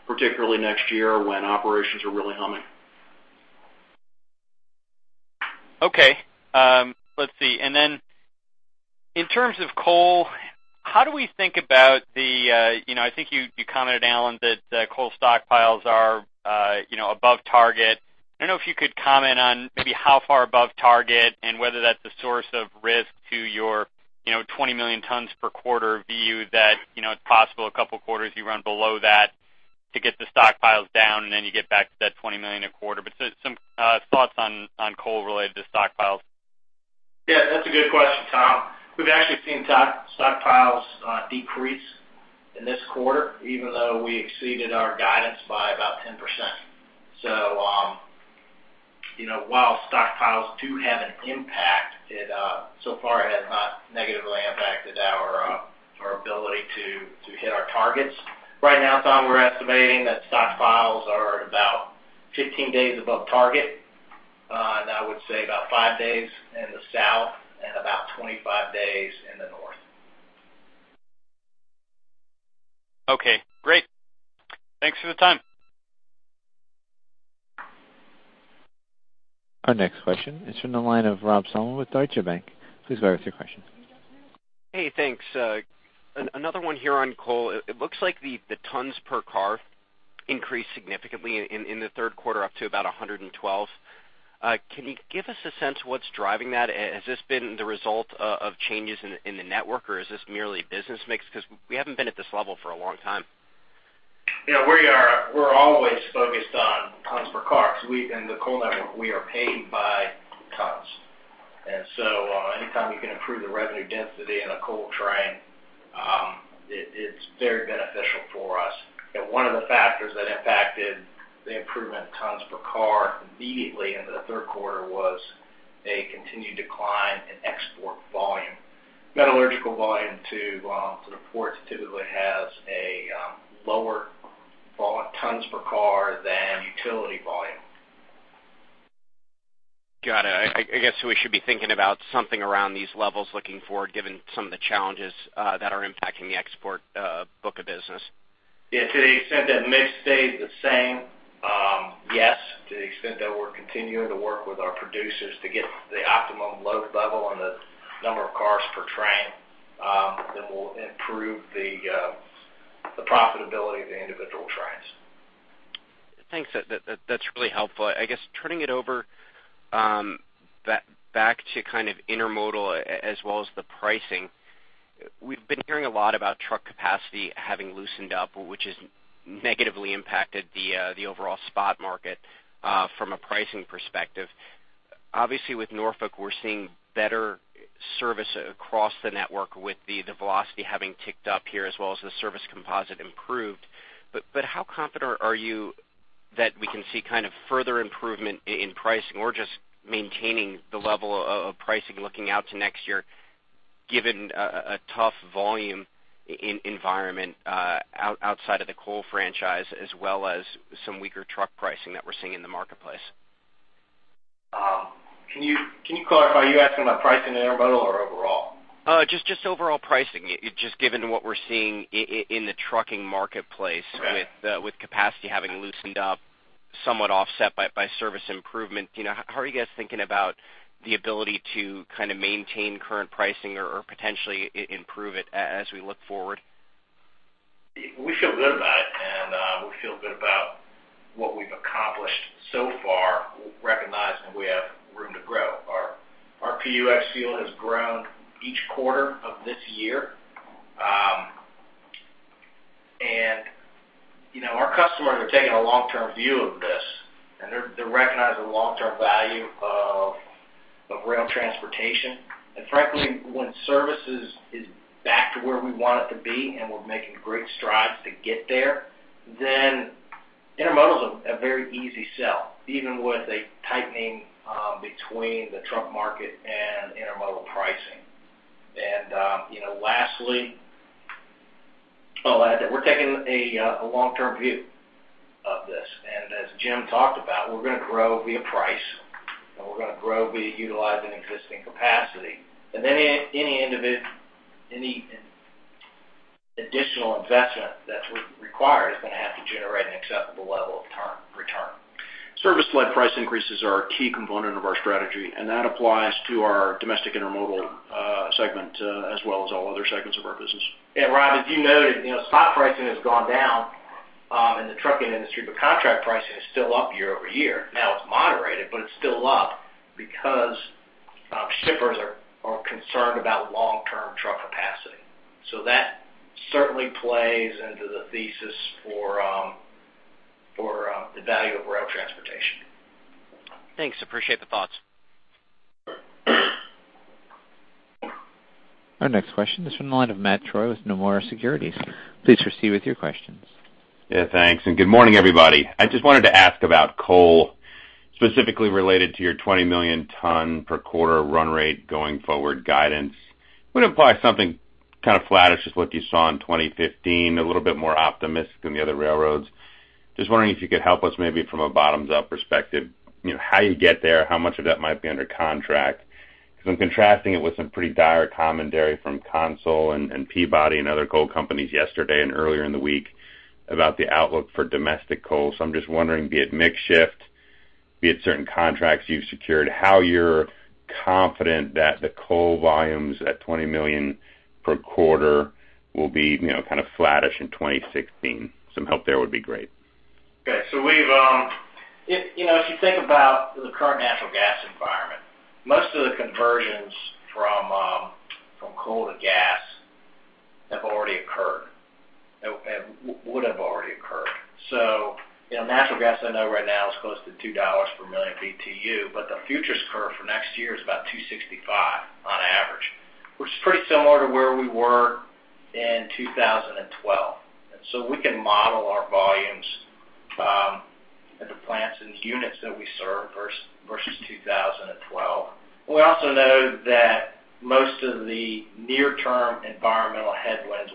particularly next year when operations are really humming. Okay. Let's see. Then in terms of coal, how do we think about the I think you commented, Alan, that coal stockpiles are above target. I don't know if you could comment on maybe how far above target and whether that's a source of risk to your 20 million tons per quarter view that it's possible a couple of quarters you run below that to get the stockpiles down, and then you get back to that 20 million a quarter. Some thoughts on coal related to stockpiles. That's a good question, Tom. We've actually seen stockpiles decrease in this quarter, even though we exceeded our guidance by about 10%. While stockpiles do have an impact, so far it has not negatively impacted our ability to hit our targets. Right now, Tom, we're estimating that stockpiles are about 15 days above target, and I would say about five days in the south and about 25 days in the north. Okay, great. Thanks for the time. Our next question is from the line of Rob Salmon with Deutsche Bank. Please go ahead with your question. Hey, thanks. Another one here on coal. It looks like the tons per car increased significantly in the third quarter up to about 112. Can you give us a sense of what's driving that? Has this been the result of changes in the network, or is this merely business mix? Because we haven't been at this level for a long time. Yeah, we're always focused on tons per cars. We in the coal network, we are paid by tons. Anytime you can improve the revenue density in a coal train, it's very For us. One of the factors that impacted the improvement in tons per car immediately into the third quarter was a continued decline in export volume. Metallurgical volume to the ports typically has a lower tons per car than utility volume. Got it. I guess we should be thinking about something around these levels looking forward, given some of the challenges that are impacting the export book of business. Yeah. To the extent that mix stays the same, yes. To the extent that we're continuing to work with our producers to get the optimum load level and the number of cars per train, we'll improve the profitability of the individual trains. Thanks. That's really helpful. I guess turning it over back to intermodal as well as the pricing, we've been hearing a lot about truck capacity having loosened up, which has negatively impacted the overall spot market from a pricing perspective. Obviously, with Norfolk, we're seeing better service across the network with the velocity having ticked up here, as well as the service composite improved. How confident are you that we can see further improvement in pricing or just maintaining the level of pricing looking out to next year, given a tough volume environment outside of the coal franchise, as well as some weaker truck pricing that we're seeing in the marketplace? Can you clarify, are you asking about pricing intermodal or overall? Just overall pricing, just given what we're seeing in the trucking marketplace Okay with capacity having loosened up, somewhat offset by service improvement. How are you guys thinking about the ability to maintain current pricing or potentially improve it as we look forward? We feel good about it, and we feel good about what we've accomplished so far, recognizing we have room to grow. Our RPU ex-fuel has grown each quarter of this year. Our customers are taking a long-term view of this, and they recognize the long-term value of rail transportation. Frankly, when service is back to where we want it to be, and we're making great strides to get there, then intermodal is a very easy sell, even with a tightening between the truck market and intermodal pricing. Lastly, I'll add that we're taking a long-term view of this. As Jim talked about, we're going to grow via price, and we're going to grow via utilizing existing capacity. Any additional investment that's required is going to have to generate an acceptable level of return. Service-led price increases are a key component of our strategy, that applies to our domestic intermodal segment as well as all other segments of our business. Rob, as you noted, spot pricing has gone down in the trucking industry, but contract pricing is still up year-over-year. Now it's moderated, but it's still up because shippers are concerned about long-term truck capacity. That certainly plays into the thesis for the value of rail transportation. Thanks. Appreciate the thoughts. Our next question is from the line of Matthew Troy with Nomura Securities. Please proceed with your questions. Yeah, thanks, good morning, everybody. I just wanted to ask about coal, specifically related to your 20 million tons per quarter run rate going forward guidance. Would imply something kind of flattish as what you saw in 2015, a little bit more optimistic than the other railroads. Just wondering if you could help us maybe from a bottoms-up perspective, how you get there, how much of that might be under contract. Because I'm contrasting it with some pretty dire commentary from CONSOL Energy and Peabody Energy and other coal companies yesterday and earlier in the week about the outlook for domestic coal. I'm just wondering, be it mix shift, be it certain contracts you've secured, how you're confident that the coal volumes at 20 million per quarter will be flattish in 2016. Some help there would be great. Okay. If you think about the current natural gas environment, most of the conversions from coal to gas have already occurred. Natural gas I know right now is close to $2 per million BTU, but the futures curve for next year is about $2.65 on average, which is pretty similar to where we were in 2012. We can model our volumes at the plants and units that we serve versus 2012. We also know that most of the near-term environmental headwinds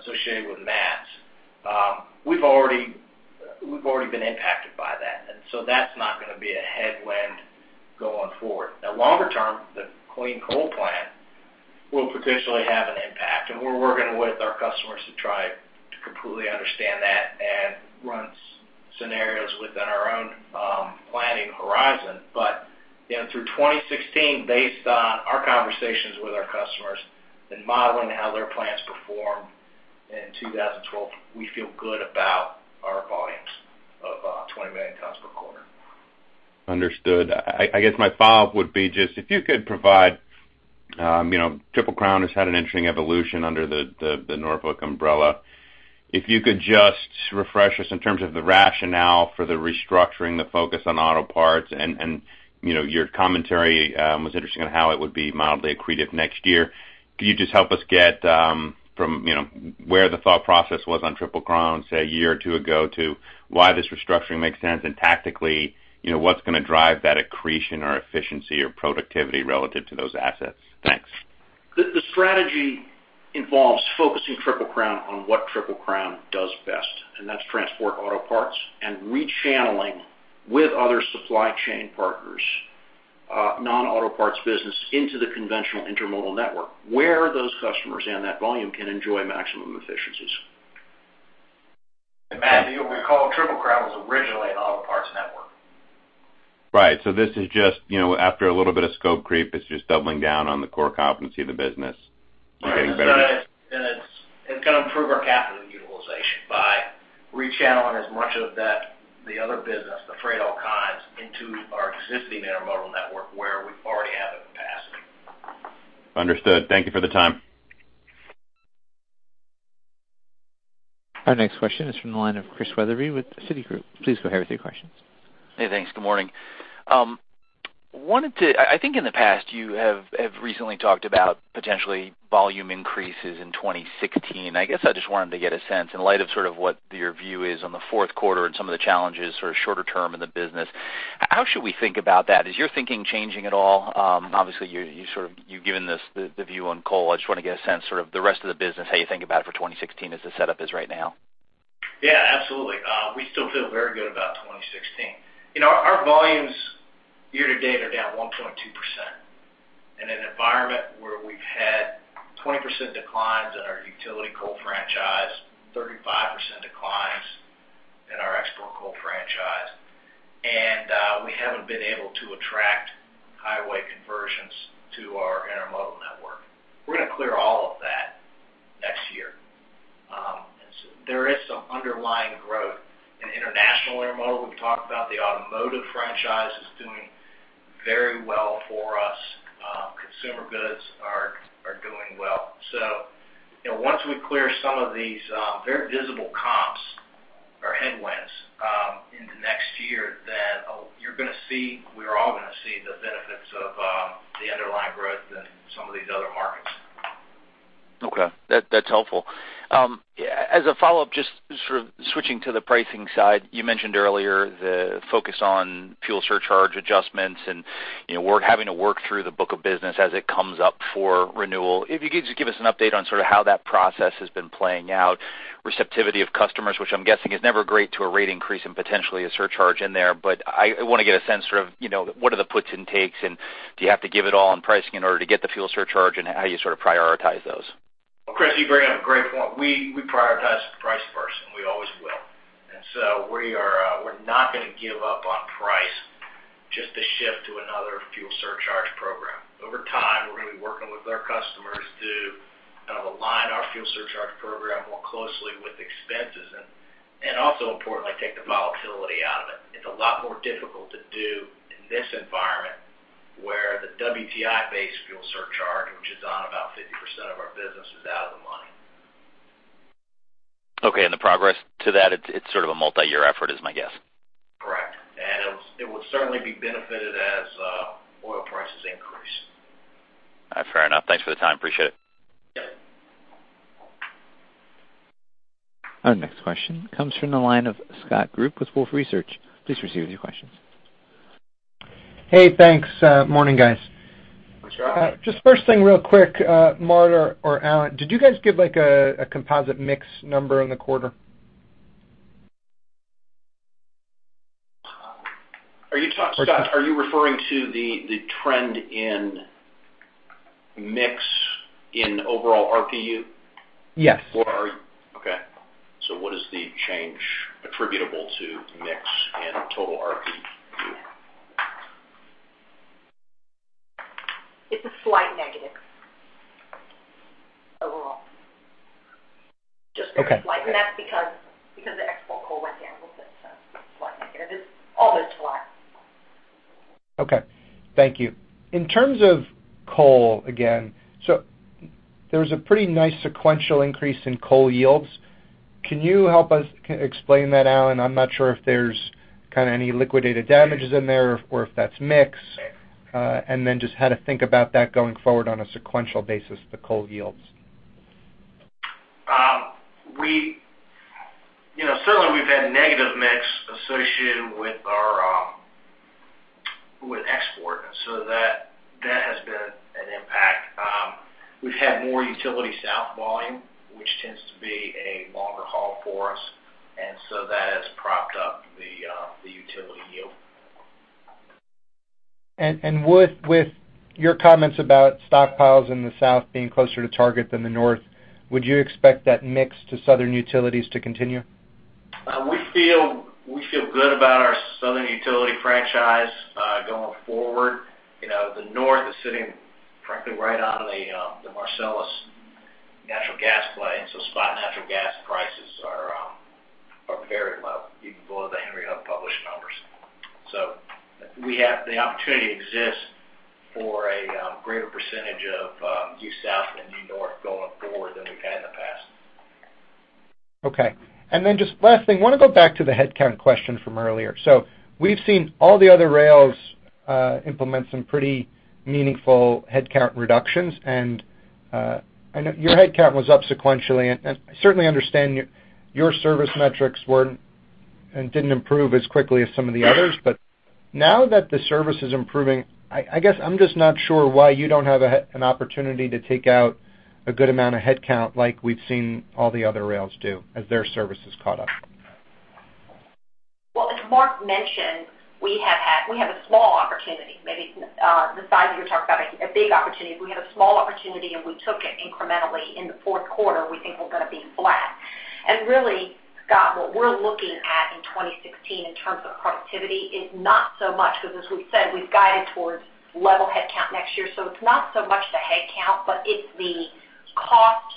associated with MATS, we've already been impacted by that. That's not going to be a headwind going forward. Now, longer term, the Clean Power Plan will potentially have an impact, and we're working with our customers to try to completely understand that and run scenarios within our own planning horizon. Through 2016, based on our conversations with our customers and modeling how their plants performed in 2012, we feel good about our volumes of 20 million tons per quarter. Understood. I guess my follow-up would be just if you could provide Triple Crown has had an interesting evolution under the Norfolk umbrella. If you could just refresh us in terms of the rationale for the restructuring, the focus on auto parts and your commentary, was interesting on how it would be mildly accretive next year. Could you just help us get from where the thought process was on Triple Crown, say, a year or two ago, to why this restructuring makes sense, and tactically, what's going to drive that accretion or efficiency or productivity relative to those assets? Thanks. The strategy involves focusing Triple Crown on what Triple Crown does best, and that's transport auto parts and rechanneling with other supply chain partners, non-auto parts business into the conventional intermodal network, where those customers and that volume can enjoy maximum efficiencies. Matt, you recall, Triple Crown was originally an auto parts network. Right. This is just after a little bit of scope creep, it's just doubling down on the core competency of the business. Right. It's going to improve our capital utilization by rechanneling as much of the other business, the freight all kinds, into our existing intermodal network where we already have the capacity. Understood. Thank you for the time. Our next question is from the line of Chris Wetherbee with Citigroup. Please go ahead with your questions. Hey, thanks. Good morning. I think in the past you have recently talked about potentially volume increases in 2016. I guess I just wanted to get a sense in light of sort of what your view is on the fourth quarter and some of the challenges sort of shorter term in the business. How should we think about that? Is your thinking changing at all? Obviously, you've given the view on coal. I just want to get a sense, sort of the rest of the business, how you think about it for 2016 as the setup is right now. Yeah, absolutely. We still feel very good about 2016. Our volumes year to date are down 1.2%. In an environment where we've had 20% declines in our utility coal franchise, 35% declines in our export coal franchise, and we haven't been able to attract highway conversions to our intermodal network. We're going to clear all of that next year. There is some underlying growth in international intermodal. We've talked about the automotive franchise is doing very well for us. Consumer goods are doing well. Once we clear some of these very visible comps or headwinds in the next year, then you're going to see, we're all going to see the benefits of the underlying growth in some of these other markets. Okay. That's helpful. As a follow-up, just sort of switching to the pricing side, you mentioned earlier the focus on fuel surcharge adjustments and having to work through the book of business as it comes up for renewal. If you could just give us an update on sort of how that process has been playing out, receptivity of customers, which I'm guessing is never great to a rate increase and potentially a surcharge in there, but I want to get a sense sort of, what are the puts and takes, and do you have to give it all on pricing in order to get the fuel surcharge and how you sort of prioritize those? Chris, you bring up a great point. We prioritize price first, we always will. We're not going to give up on price just to shift to another fuel surcharge program. Over time, we're going to be working with our customers to kind of align our fuel surcharge program more closely with expenses and also importantly, take the volatility out of it. It's a lot more difficult to do in this environment where the WTI-based fuel surcharge, which is on about 50% of our business, is out of the money. Okay. The progress to that, it's sort of a multi-year effort is my guess. Correct. It would certainly be benefited as oil prices increase. Fair enough. Thanks for the time. Appreciate it. Yeah. Our next question comes from the line of Scott Group with Wolfe Research. Please proceed with your questions. Hey, thanks. Morning, guys. What's up? Just first thing real quick, Marta or Alan, did you guys give a composite mix number in the quarter? Scott, are you referring to the trend in mix in overall RPU? Yes. Okay. What is the change attributable to mix in total RPU? It's a slight negative overall. Okay. Just very slight. That's because the export coal went down a little bit, slight negative. It's almost flat. Okay. Thank you. In terms of coal, again, there was a pretty nice sequential increase in coal yields. Can you help us explain that, Alan? I'm not sure if there's kind of any liquidated damages in there or if that's mix. Then just how to think about that going forward on a sequential basis, the coal yields. Certainly we've had negative mix associated with export. That has been an impact. We've had more utility south volume, which tends to be a longer haul for us, that has propped up the utility yield. With your comments about stockpiles in the south being closer to target than the north, would you expect that mix to southern utilities to continue? We feel good about our southern utility franchise going forward. The north is sitting frankly right on the Marcellus natural gas play, spot natural gas prices are You can go to the Henry Hub published numbers. The opportunity exists for a greater percentage of new south and new north going forward than we've had in the past. Okay. I want to go back to the headcount question from earlier. We've seen all the other rails implement some pretty meaningful headcount reductions, and I know your headcount was up sequentially, and I certainly understand your service metrics didn't improve as quickly as some of the others. Now that the service is improving, I guess I'm just not sure why you don't have an opportunity to take out a good amount of headcount like we've seen all the other rails do as their service has caught up. Well, as Mark mentioned, we have a small opportunity, maybe the size you're talking about a big opportunity. We had a small opportunity, and we took it incrementally in the fourth quarter, we think we're going to be flat. Really, Scott, what we're looking at in 2016 in terms of productivity is not so much, because as we've said, we've guided towards level headcount next year. It's not so much the headcount, but it's the cost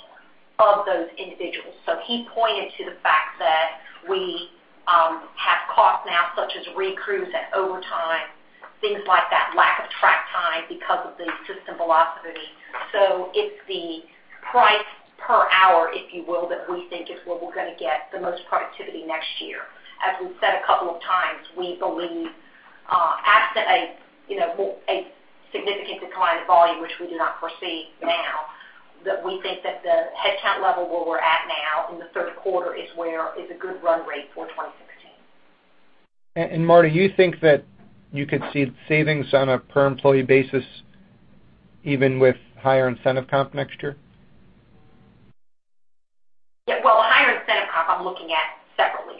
of those individuals. He pointed to the fact that we have costs now such as recruits and overtime, things like that, lack of track time because of the system velocity. It's the price per hour, if you will, that we think is where we're going to get the most productivity next year. As we've said a couple of times, we believe absent a significant decline in volume, which we do not foresee now, that we think that the headcount level where we're at now in the third quarter is a good run rate for 2016. Marta, you think that you could see savings on a per employee basis even with higher incentive comp next year? Yeah. Higher incentive comp I'm looking at separately.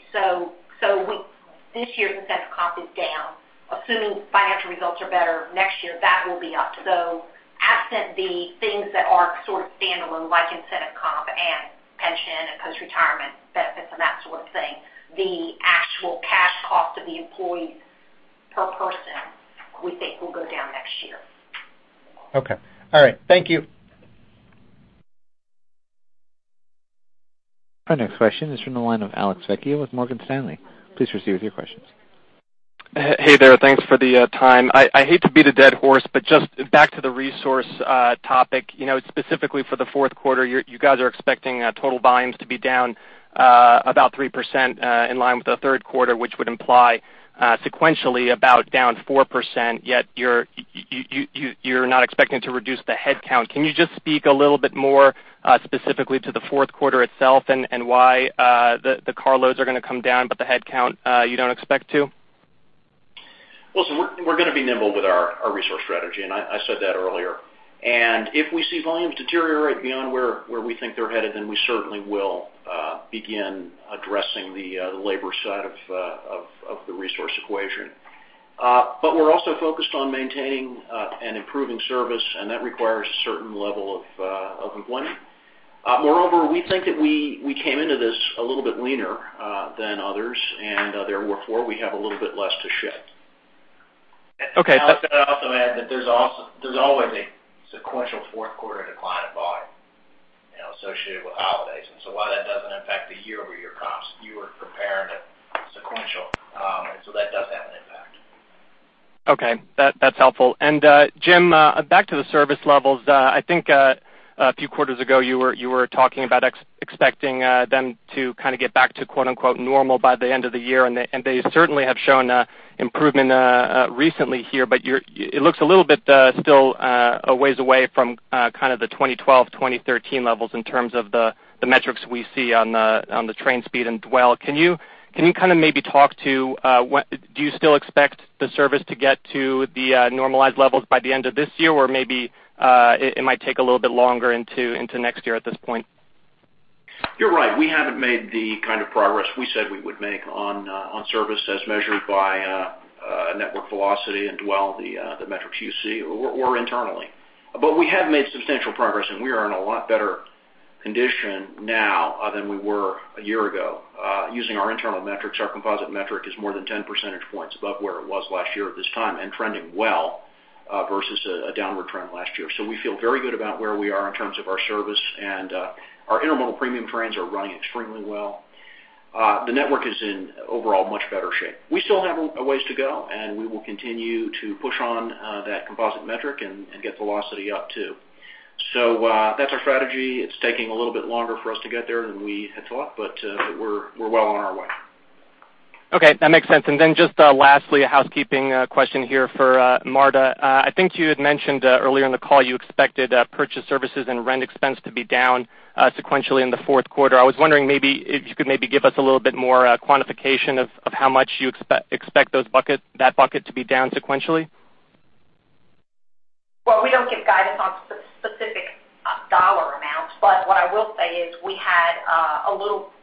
This year's incentive comp is down. Assuming financial results are better next year, that will be up. Absent the things that are sort of standalone, like incentive comp and pension and post-retirement benefits and that sort of thing, the actual cash cost of the employees per person, we think will go down next year. Okay. All right. Thank you. Our next question is from the line of Ravi Shanker with Morgan Stanley. Please proceed with your questions. Hey there. Thanks for the time. I hate to beat a dead horse, just back to the resource topic. Specifically for the fourth quarter, you guys are expecting total volumes to be down about 3% in line with the third quarter, which would imply sequentially about down 4%, yet you're not expecting to reduce the headcount. Can you just speak a little bit more specifically to the fourth quarter itself and why the car loads are going to come down but the headcount you don't expect to? Well, we're going to be nimble with our resource strategy, and I said that earlier. If we see volumes deteriorate beyond where we think they're headed, we certainly will begin addressing the labor side of the resource equation. We're also focused on maintaining and improving service, that requires a certain level of employment. Moreover, we think that we came into this a little bit leaner than others, therefore, we have a little bit less to shed. Okay. I would also add that there's always a sequential fourth quarter decline in volume associated with holidays. While that doesn't impact the year-over-year comps, you are comparing it sequential, that does have an impact. Okay. That's helpful. Jim, back to the service levels. I think a few quarters ago you were talking about expecting them to kind of get back to "normal" by the end of the year, and they certainly have shown improvement recently here, but it looks a little bit still a ways away from kind of the 2012, 2013 levels in terms of the metrics we see on the train speed and dwell. Do you still expect the service to get to the normalized levels by the end of this year? Maybe it might take a little bit longer into next year at this point? You're right. We haven't made the kind of progress we said we would make on service as measured by network velocity and dwell, the metrics you see, or internally. We have made substantial progress, and we are in a lot better condition now than we were a year ago. Using our internal metrics, our composite metric is more than 10 percentage points above where it was last year at this time and trending well versus a downward trend last year. We feel very good about where we are in terms of our service, and our intermodal premium trends are running extremely well. The network is in overall much better shape. We still have a ways to go, and we will continue to push on that composite metric and get velocity up, too. That's our strategy. It's taking a little bit longer for us to get there than we had thought, but we're well on our way. Okay. That makes sense. Just lastly, a housekeeping question here for Marta. I think you had mentioned earlier in the call you expected purchased services and rent expense to be down sequentially in the fourth quarter. I was wondering maybe if you could maybe give us a little bit more quantification of how much you expect that bucket to be down sequentially. We don't give guidance on specific dollar amounts, but what I will say is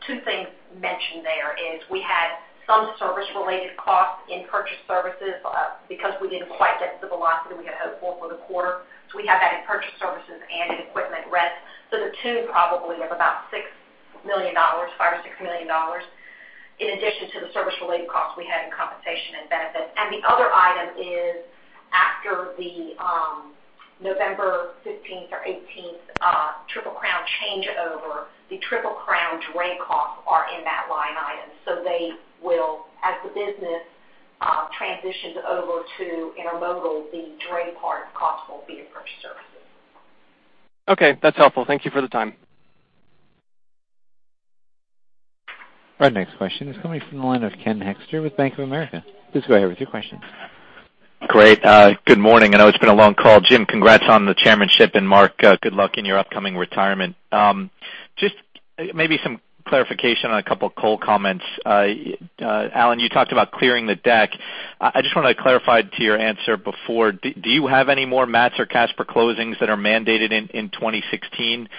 two things mentioned there is we had some service related costs in purchased services because we didn't quite get the velocity we had hoped for the quarter. We have that in purchased services and in equipment rents. The two probably of about $5 or $6 million, in addition to the service related costs we had in compensation and benefits. The other item is after the November 15th or 18th Triple Crown changeover, the Triple Crown dray costs are in that line item. They will, as the business transitions over to intermodal, the dray part cost will be in purchased services. That's helpful. Thank you for the time. Our next question is coming from the line of Ken Hoexter with Bank of America. Please go ahead with your questions. Good morning. I know it's been a long call. Jim, congrats on the chairmanship, and Mark, good luck in your upcoming retirement. Just maybe some clarification on a couple of coal comments. Alan, you talked about clearing the deck. I just wanted to clarify to your answer before. Do you have any more MATS or CSAPR closings that are mandated in 2016?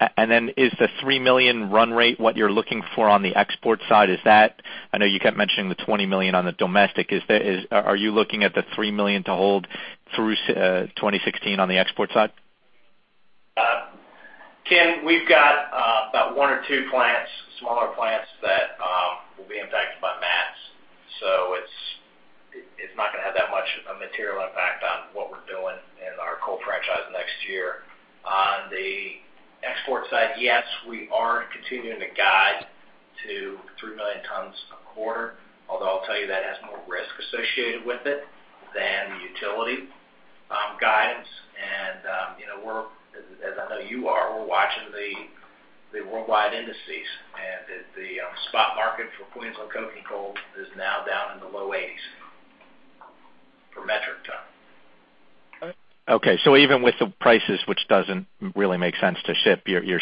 Is the 3 million run rate what you're looking for on the export side? I know you kept mentioning the 20 million on the domestic. Are you looking at the 3 million to hold through 2016 on the export side? Ken, we've got about one or two plants, smaller plants, that will be impacted by MATS. It's not going to have that much of a material impact on what we're doing in our coal franchise next year. On the export side, yes, we are continuing to guide to 3 million tons a quarter, although I'll tell you that has more risk associated with it than the utility guidance. As I know you are, we're watching the worldwide indices. The spot market for Queensland coking coal is now down in the low 80s for metric ton. Okay. Even with the prices, which doesn't really make sense to ship, your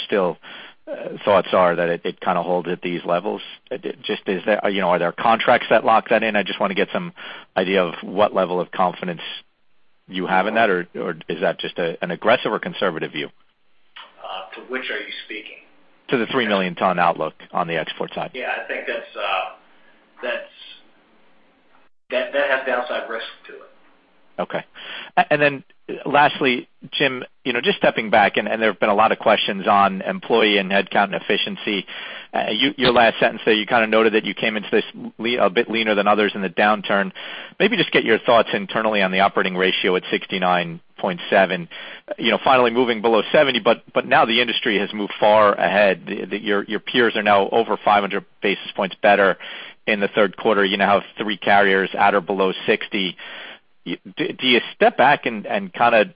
thoughts are that it kind of holds at these levels? Are there contracts that lock that in? I just want to get some idea of what level of confidence you have in that, or is that just an aggressive or conservative view? To which are you speaking? To the 3-million-ton outlook on the export side. Yeah, I think that has downside risk to it. Okay. Lastly, Jim, just stepping back, there have been a lot of questions on employee and headcount and efficiency. Your last sentence there, you kind of noted that you came into this a bit leaner than others in the downturn. Maybe just get your thoughts internally on the operating ratio at 69.7. Finally moving below 70, but now the industry has moved far ahead. Your peers are now over 500 basis points better in the third quarter. You now have three carriers at or below 60. Do you step back and kind of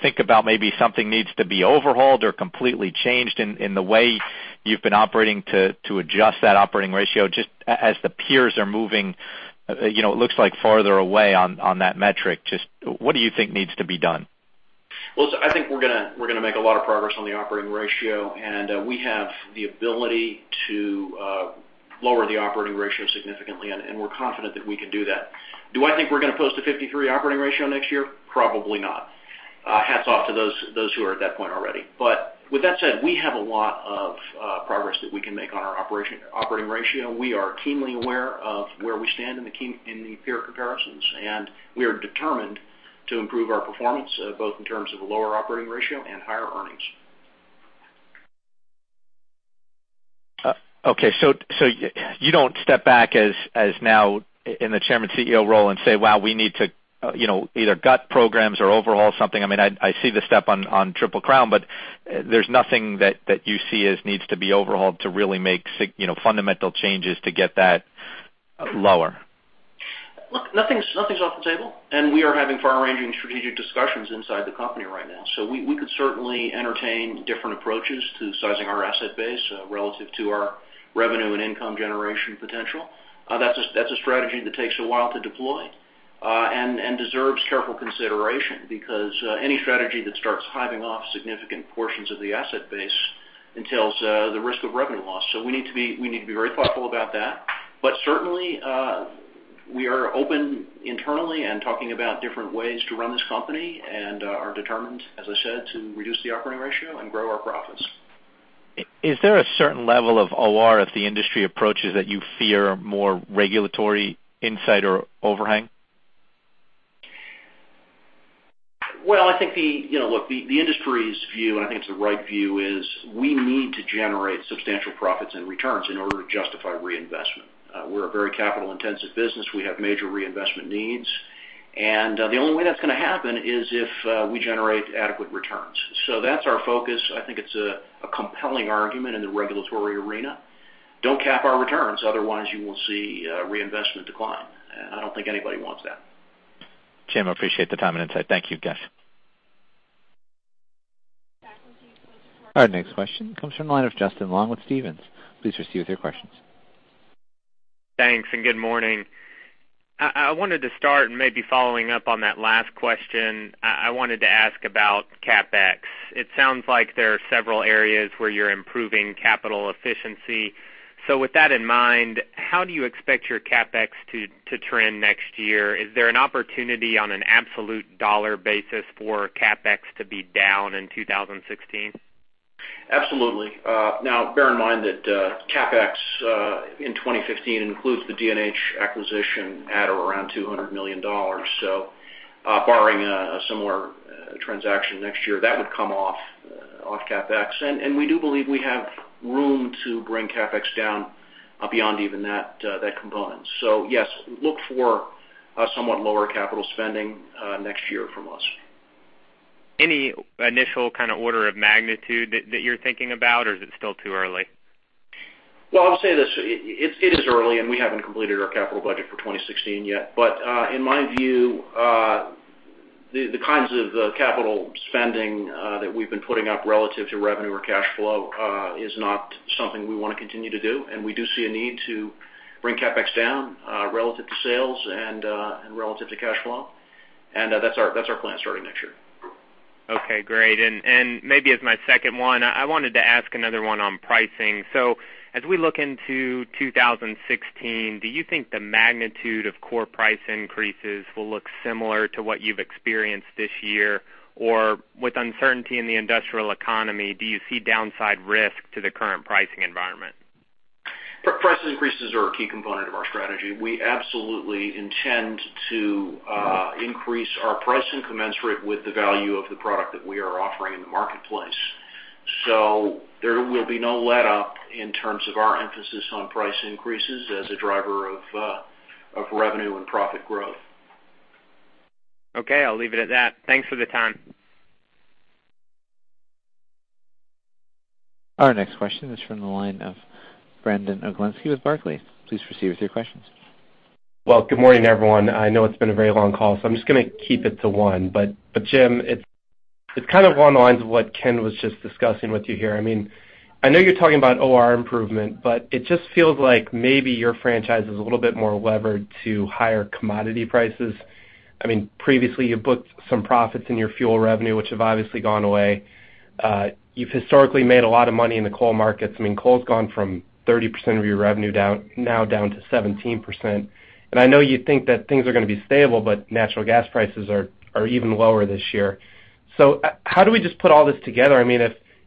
think about maybe something needs to be overhauled or completely changed in the way you've been operating to adjust that operating ratio, just as the peers are moving, it looks like farther away on that metric. Just what do you think needs to be done? Well, I think we're going to make a lot of progress on the operating ratio, we have the ability to lower the operating ratio significantly, we're confident that we can do that. Do I think we're going to post a 53 operating ratio next year? Probably not. Hats off to those who are at that point already. With that said, we have a lot of progress that we can make on our operating ratio. We are keenly aware of where we stand in the peer comparisons, we are determined to improve our performance, both in terms of a lower operating ratio and higher earnings. Okay, you don't step back as now in the Chairman CEO role and say, "Wow, we need to either gut programs or overhaul something." I see the step on Triple Crown, there's nothing that you see as needs to be overhauled to really make fundamental changes to get that lower. Look, nothing's off the table, we are having far-ranging strategic discussions inside the company right now. We could certainly entertain different approaches to sizing our asset base relative to our revenue and income generation potential. That's a strategy that takes a while to deploy and deserves careful consideration because any strategy that starts hiving off significant portions of the asset base entails the risk of revenue loss. We need to be very thoughtful about that. Certainly, we are open internally and talking about different ways to run this company and are determined, as I said, to reduce the operating ratio and grow our profits. Is there a certain level of OR as the industry approaches that you fear more regulatory insight or overhang? Well, look, the industry's view, I think it's the right view, is we need to generate substantial profits and returns in order to justify reinvestment. We're a very capital-intensive business. We have major reinvestment needs. The only way that's going to happen is if we generate adequate returns. That's our focus. I think it's a compelling argument in the regulatory arena. Don't cap our returns, otherwise you will see reinvestment decline. I don't think anybody wants that. Jim, I appreciate the time and insight. Thank you. Our next question comes from the line of Justin Long with Stephens. Please proceed with your questions. Thanks, good morning. I wanted to start maybe following up on that last question. I wanted to ask about CapEx. It sounds like there are several areas where you're improving capital efficiency. With that in mind, how do you expect your CapEx to trend next year? Is there an opportunity on an absolute dollar basis for CapEx to be down in 2016? Absolutely. Now, bear in mind that CapEx in 2015 includes the D&H acquisition at around $200 million. Barring a similar transaction next year, that would come off CapEx. We do believe we have room to bring CapEx down beyond even that component. Yes, look for somewhat lower capital spending next year from us. Any initial kind of order of magnitude that you're thinking about or is it still too early? I'll say this, it is early, and we haven't completed our capital budget for 2016 yet. In my view, the kinds of capital spending that we've been putting up relative to revenue or cash flow is not something we want to continue to do, and we do see a need to bring CapEx down relative to sales and relative to cash flow. That's our plan starting next year. Okay, great. Maybe as my second one, I wanted to ask another one on pricing. As we look into 2016, do you think the magnitude of core price increases will look similar to what you've experienced this year? Or with uncertainty in the industrial economy, do you see downside risk to the current pricing environment? Price increases are a key component of our strategy. We absolutely intend to increase our pricing commensurate with the value of the product that we are offering in the marketplace. There will be no letup in terms of our emphasis on price increases as a driver of revenue and profit growth. Okay, I'll leave it at that. Thanks for the time. Our next question is from the line of Brandon Oglenski with Barclays. Please proceed with your questions. Well, good morning, everyone. I know it's been a very long call, so I'm just going to keep it to one. Jim, it's kind of along the lines of what Ken was just discussing with you here. I know you're talking about OR improvement, but it just feels like maybe your franchise is a little bit more levered to higher commodity prices. Previously, you booked some profits in your fuel revenue, which have obviously gone away. You've historically made a lot of money in the coal markets. Coal's gone from 30% of your revenue now down to 17%. I know you think that things are going to be stable, but natural gas prices are even lower this year. How do we just put all this together?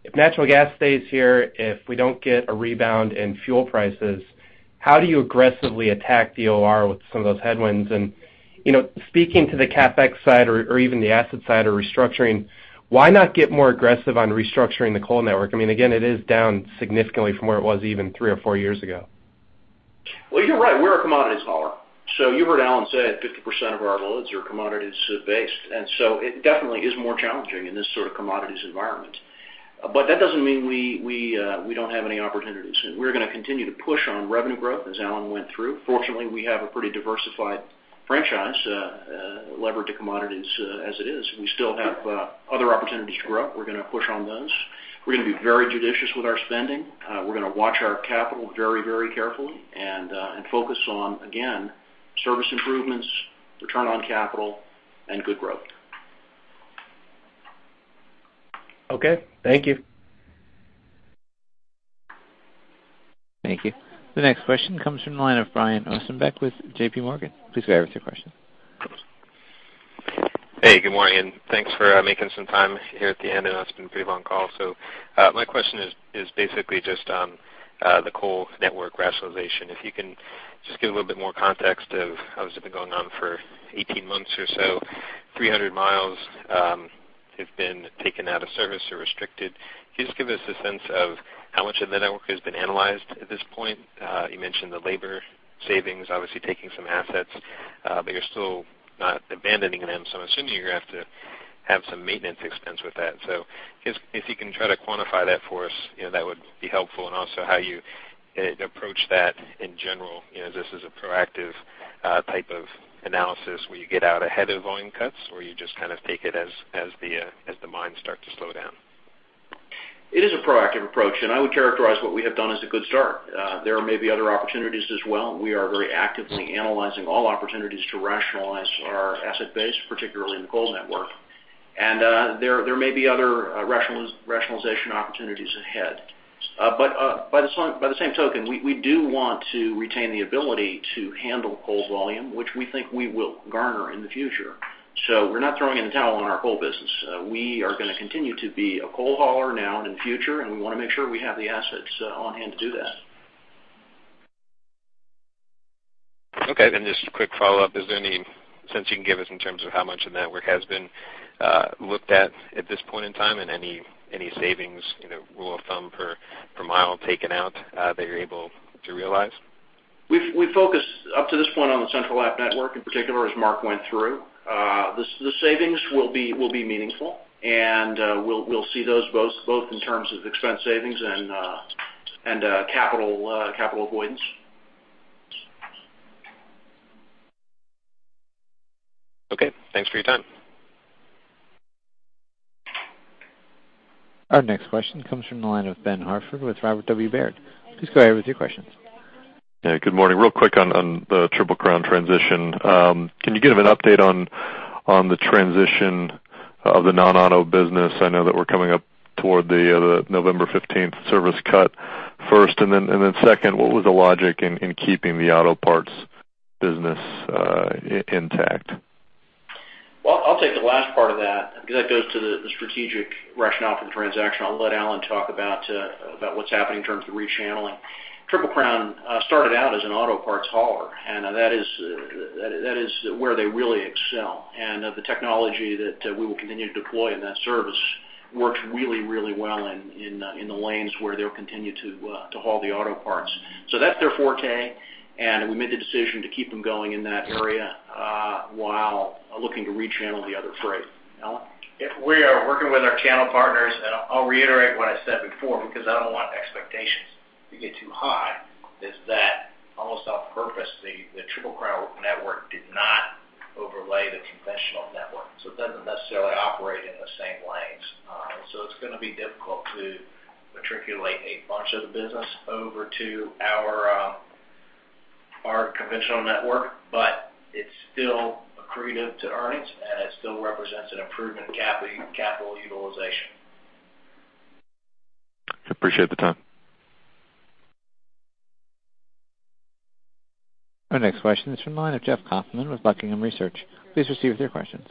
If natural gas stays here, if we don't get a rebound in fuel prices, how do you aggressively attack the OR with some of those headwinds? Speaking to the CapEx side or even the asset side or restructuring, why not get more aggressive on restructuring the coal network? Again, it is down significantly from where it was even three or four years ago. Well, you're right. We're a commodities hauler. You heard Alan say 50% of our loads are commodities-based, it definitely is more challenging in this sort of commodities environment. That doesn't mean we don't have any opportunities. We're going to continue to push on revenue growth, as Alan went through. Fortunately, we have a pretty diversified franchise, levered to commodities as it is. We still have other opportunities to grow. We're going to push on those. We're going to be very judicious with our spending. We're going to watch our capital very carefully and focus on, again, service improvements, return on capital, and good growth. Okay. Thank you. Thank you. The next question comes from the line of Brian Ossenbeck with J.P. Morgan. Please go ahead with your question. Hey, good morning, and thanks for making some time here at the end. I know it's been a pretty long call. My question is basically just on the coal network rationalization. If you can just give a little bit more context of how has it been going on for 18 months or so, 300 miles have been taken out of service or restricted. Can you just give us a sense of how much of the network has been analyzed at this point? You mentioned the labor savings, obviously taking some assets, but you're still not abandoning them. I'm assuming you're going to have to have some maintenance expense with that. If you can try to quantify that for us, that would be helpful. Also how you approach that in general. Is this a proactive type of analysis where you get out ahead of volume cuts, or you just kind of take it as the mines start to slow down? It is a proactive approach. I would characterize what we have done as a good start. There may be other opportunities as well. We are very actively analyzing all opportunities to rationalize our asset base, particularly in the coal network. There may be other rationalization opportunities ahead. By the same token, we do want to retain the ability to handle coal's volume, which we think we will garner in the future. We're not throwing in the towel on our coal business. We are going to continue to be a coal hauler now and in future, and we want to make sure we have the assets on hand to do that. Okay, just a quick follow-up. Is there any sense you can give us in terms of how much of the network has been looked at at this point in time, and any savings, rule of thumb per mile taken out that you're able to realize? We focused up to this point on the Central Appalachia network in particular, as Mark went through. The savings will be meaningful, and we'll see those both in terms of expense savings and capital avoidance. Okay. Thanks for your time. Our next question comes from the line of Ben Hartford with Robert W. Baird. Please go ahead with your question. Yeah, good morning. Real quick on the Triple Crown transition. Can you give an update on the transition of the non-auto business? I know that we're coming up toward the November 15th service cut first, second, what was the logic in keeping the auto parts business intact? Well, I'll take the last part of that because that goes to the strategic rationale for the transaction. I'll let Alan talk about what's happening in terms of the rechanneling. Triple Crown started out as an auto parts hauler, that is where they really excel. The technology that we will continue to deploy in that service works really well in the lanes where they'll continue to haul the auto parts. That's their forte, we made the decision to keep them going in that area while looking to re-channel the other freight. Alan? Yes, we are working with our channel partners, I'll reiterate what I said before, because I don't want expectations to get too high, is that almost on purpose, the Triple Crown network did not overlay the conventional network, it doesn't necessarily operate in the same lanes. It's still accretive to earnings, it still represents an improvement in capital utilization. Appreciate the time. Our next question is from the line of Jeff Kauffman with Buckingham Research. Please proceed with your questions.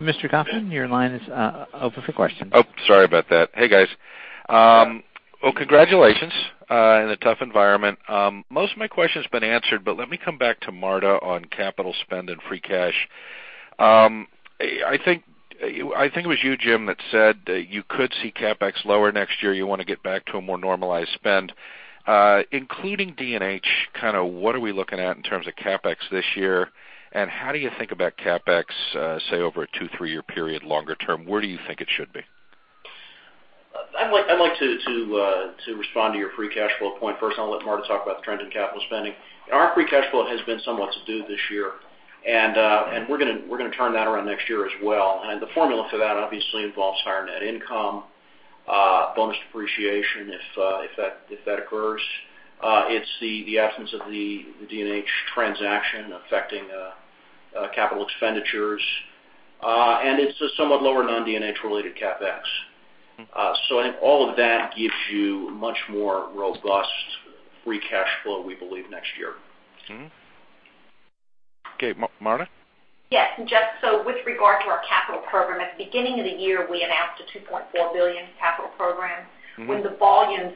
Mr. Kauffman, your line is open for questions. Oh, sorry about that. Hey, guys. Well, congratulations in a tough environment. Most of my question's been answered, but let me come back to Marta on capital spend and free cash. I think it was you, Jim, that said that you could see CapEx lower next year. You want to get back to a more normalized spend. Including D&H, what are we looking at in terms of CapEx this year, and how do you think about CapEx, say, over a two, three-year period, longer term? Where do you think it should be? I'd like to respond to your free cash flow point first. I'll let Marta talk about the trend in capital spending. Our free cash flow has been somewhat subdued this year, and we're going to turn that around next year as well, and the formula for that obviously involves higher net income, bonus depreciation, if that occurs. It's the absence of the D&H transaction affecting capital expenditures. It's a somewhat lower non-D&H related CapEx. I think all of that gives you much more robust free cash flow, we believe, next year. Okay. Marta? Yes. Jeff, with regard to our capital program, at the beginning of the year, we announced a $2.4 billion capital program. When the volumes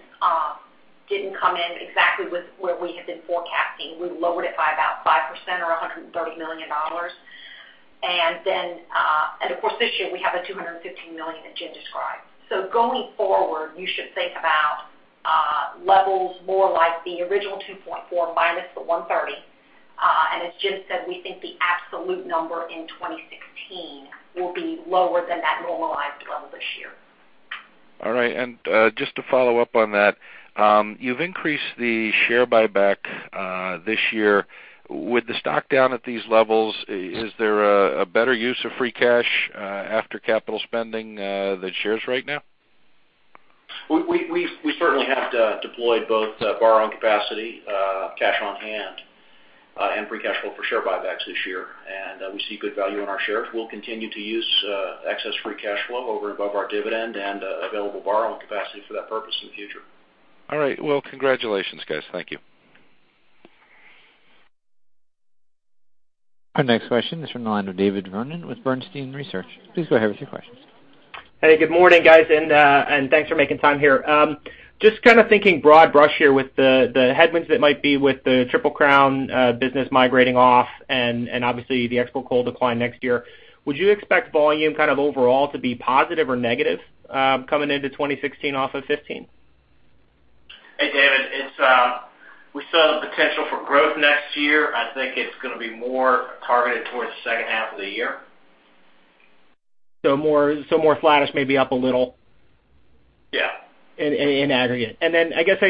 didn't come in exactly with where we had been forecasting, we lowered it by about 5% or $130 million. Of course, this year, we have the $215 million that Jim described. Going forward, you should think about levels more like the original $2.4 minus the $130. As Jim said, we think the absolute number in 2016 will be lower than that normalized level this year. All right. Just to follow up on that, you've increased the share buyback this year. With the stock down at these levels, is there a better use of free cash after capital spending than shares right now? We certainly have deployed both borrowing capacity, cash on hand, and free cash flow for share buybacks this year, and we see good value in our shares. We'll continue to use excess free cash flow over and above our dividend and available borrowing capacity for that purpose in the future. All right. Well, congratulations, guys. Thank you. Our next question is from the line of David Vernon with Bernstein Research. Please go ahead with your questions. Hey, good morning, guys, and thanks for making time here. Just kind of thinking broad brush here with the headwinds that might be with the Triple Crown business migrating off, and obviously the export coal decline next year. Would you expect volume kind of overall to be positive or negative coming into 2016 off of 2015? Hey, David. We saw the potential for growth next year. I think it's going to be more targeted towards the second half of the year. More flattish, maybe up a little. Yeah in aggregate. I guess,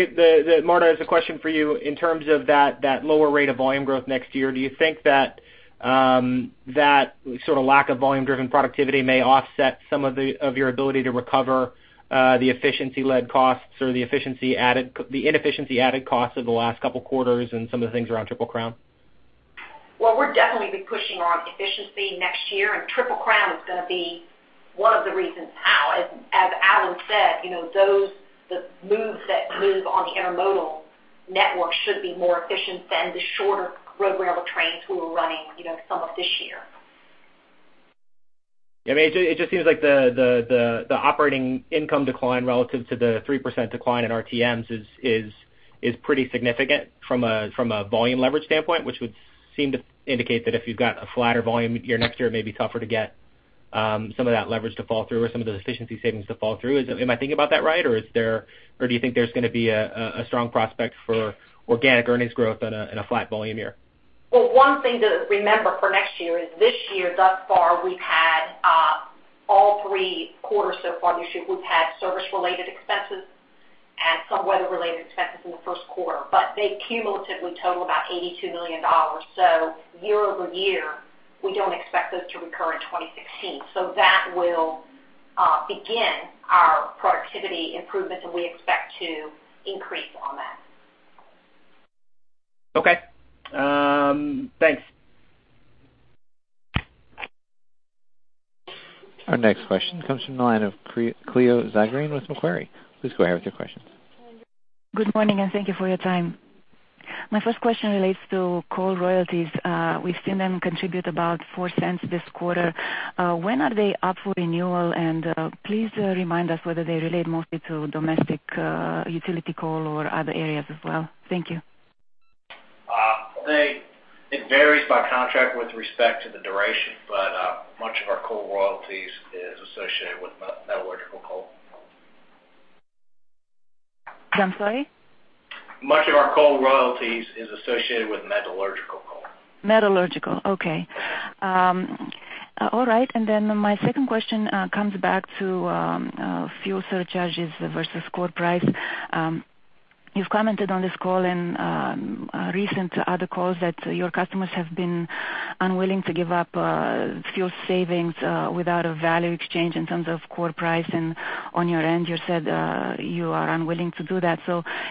Marta, as a question for you, in terms of that lower rate of volume growth next year, do you think that sort of lack of volume driven productivity may offset some of your ability to recover the efficiency-led costs or the inefficiency-added costs of the last couple of quarters and some of the things around Triple Crown? Well, we'll definitely be pushing on efficiency next year, and Triple Crown is going to be one of the reasons how. As Alan said, those moves that move on the intermodal network should be more efficient than the shorter road rail trains we were running some of this year. Yeah, it just seems like the operating income decline relative to the 3% decline in RTMs is pretty significant from a volume leverage standpoint. Which would seem to indicate that if you've got a flatter volume year next year, it may be tougher to get some of that leverage to fall through or some of those efficiency savings to fall through. Am I thinking about that right, or do you think there's going to be a strong prospect for organic earnings growth in a flat volume year? Well, one thing to remember for next year is this year thus far, we've had all three quarters so far this year, we've had service-related expenses and some weather-related expenses in the first quarter, but they cumulatively total about $82 million. Year-over-year, we don't expect those to recur in 2016. That will begin our productivity improvements, and we expect to increase on that. Okay. Thanks. Our next question comes from the line of Cleo Zagrins with Macquarie. Please go ahead with your questions. Good morning, and thank you for your time. My first question relates to coal royalties. We've seen them contribute about $0.04 this quarter. When are they up for renewal? Please remind us whether they relate mostly to domestic utility coal or other areas as well. Thank you. I think it varies by contract with respect to the duration, much of our coal royalties is associated with metallurgical coal. I'm sorry? Much of our coal royalties is associated with metallurgical coal. Metallurgical, okay. All right, My second question comes back to fuel surcharges versus core price. You've commented on this call and recent other calls that your customers have been unwilling to give up fuel savings without a value exchange in terms of core price. On your end, you said you are unwilling to do that.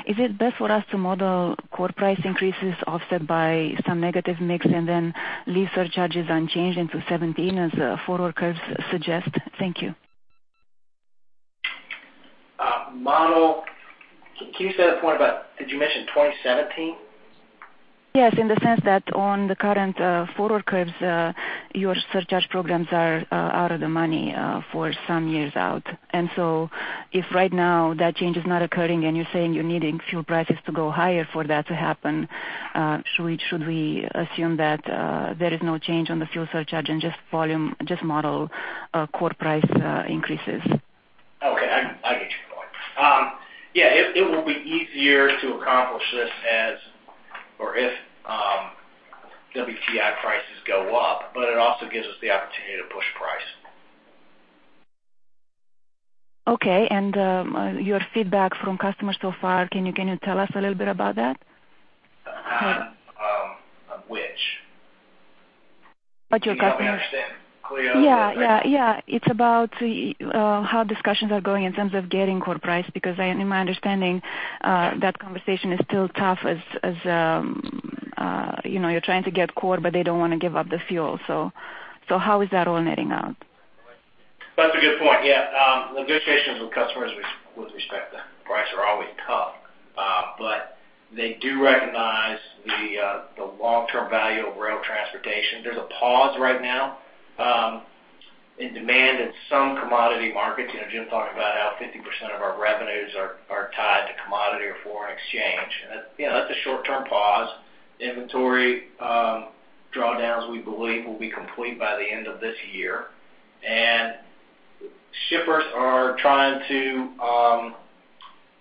Is it best for us to model core price increases offset by some negative mix, and then leave surcharges unchanged into 2017 as forward curves suggest? Thank you. Model. Can you say that point about, did you mention 2017? Yes, in the sense that on the current forward curves, your surcharge programs are out of the money for some years out. If right now that change is not occurring and you're saying you're needing fuel prices to go higher for that to happen, should we assume that there is no change on the fuel surcharge and just model core price increases? Okay. I get your point. It will be easier to accomplish this as or if WTI prices go up, but it also gives us the opportunity to push price. Okay. Your feedback from customers so far, can you tell us a little bit about that? Of which? About your customers. Can you help me understand? Yeah. It's about how discussions are going in terms of getting core price. In my understanding that conversation is still tough as you're trying to get core, but they don't want to give up the fuel. How is that all netting out? That's a good point. Yeah. Negotiations with customers with respect to price are always tough. They do recognize the long-term value of rail transportation. There's a pause right now in demand in some commodity markets. Jim talked about how 50% of our revenues are tied to commodity or foreign exchange. That's a short-term pause. Inventory drawdowns, we believe, will be complete by the end of this year. Shippers are trying to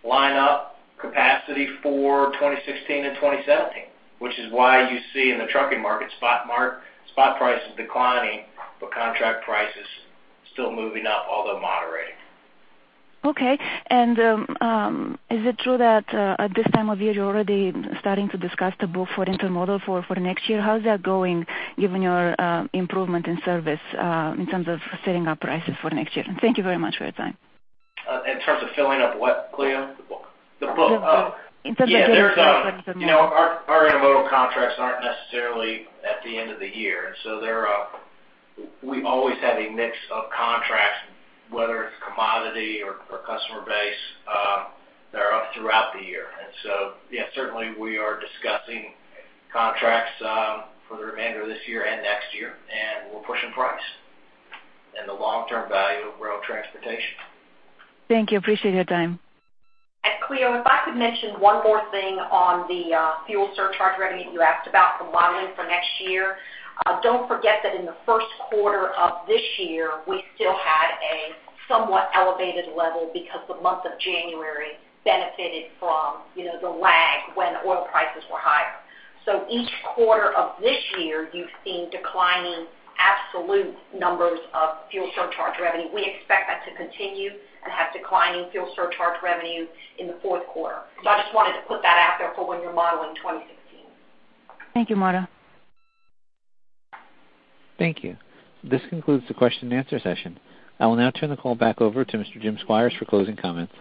line up capacity for 2016 and 2017, which is why you see in the trucking market spot prices declining, but contract prices still moving up, although moderating. Okay. Is it true that at this time of year, you're already starting to discuss the book for intermodal for next year? How is that going given your improvement in service in terms of setting up prices for next year? Thank you very much for your time. In terms of filling up what, Cleo? The book. The book. In terms of getting contracts for the book. Our intermodal contracts aren't necessarily at the end of the year. We always have a mix of contracts, whether it's commodity or customer base that are up throughout the year. Yeah, certainly we are discussing contracts for the remainder of this year and next year, and we're pushing price and the long-term value of rail transportation. Thank you. Appreciate your time. Cleo, if I could mention one more thing on the fuel surcharge revenue you asked about for modeling for next year. Don't forget that in the first quarter of this year, we still had a somewhat elevated level because the month of January benefited from the lag when oil prices were higher. Each quarter of this year, you've seen declining absolute numbers of fuel surcharge revenue. We expect that to continue and have declining fuel surcharge revenue in the fourth quarter. I just wanted to put that out there for when you're modeling 2016. Thank you, Marta. Thank you. This concludes the question and answer session. I will now turn the call back over to Mr. Jim Squires for closing comments.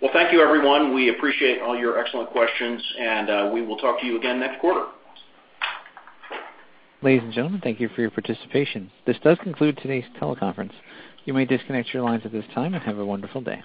Well, thank you, everyone. We appreciate all your excellent questions. We will talk to you again next quarter. Ladies and gentlemen, thank you for your participation. This does conclude today's teleconference. You may disconnect your lines at this time and have a wonderful day.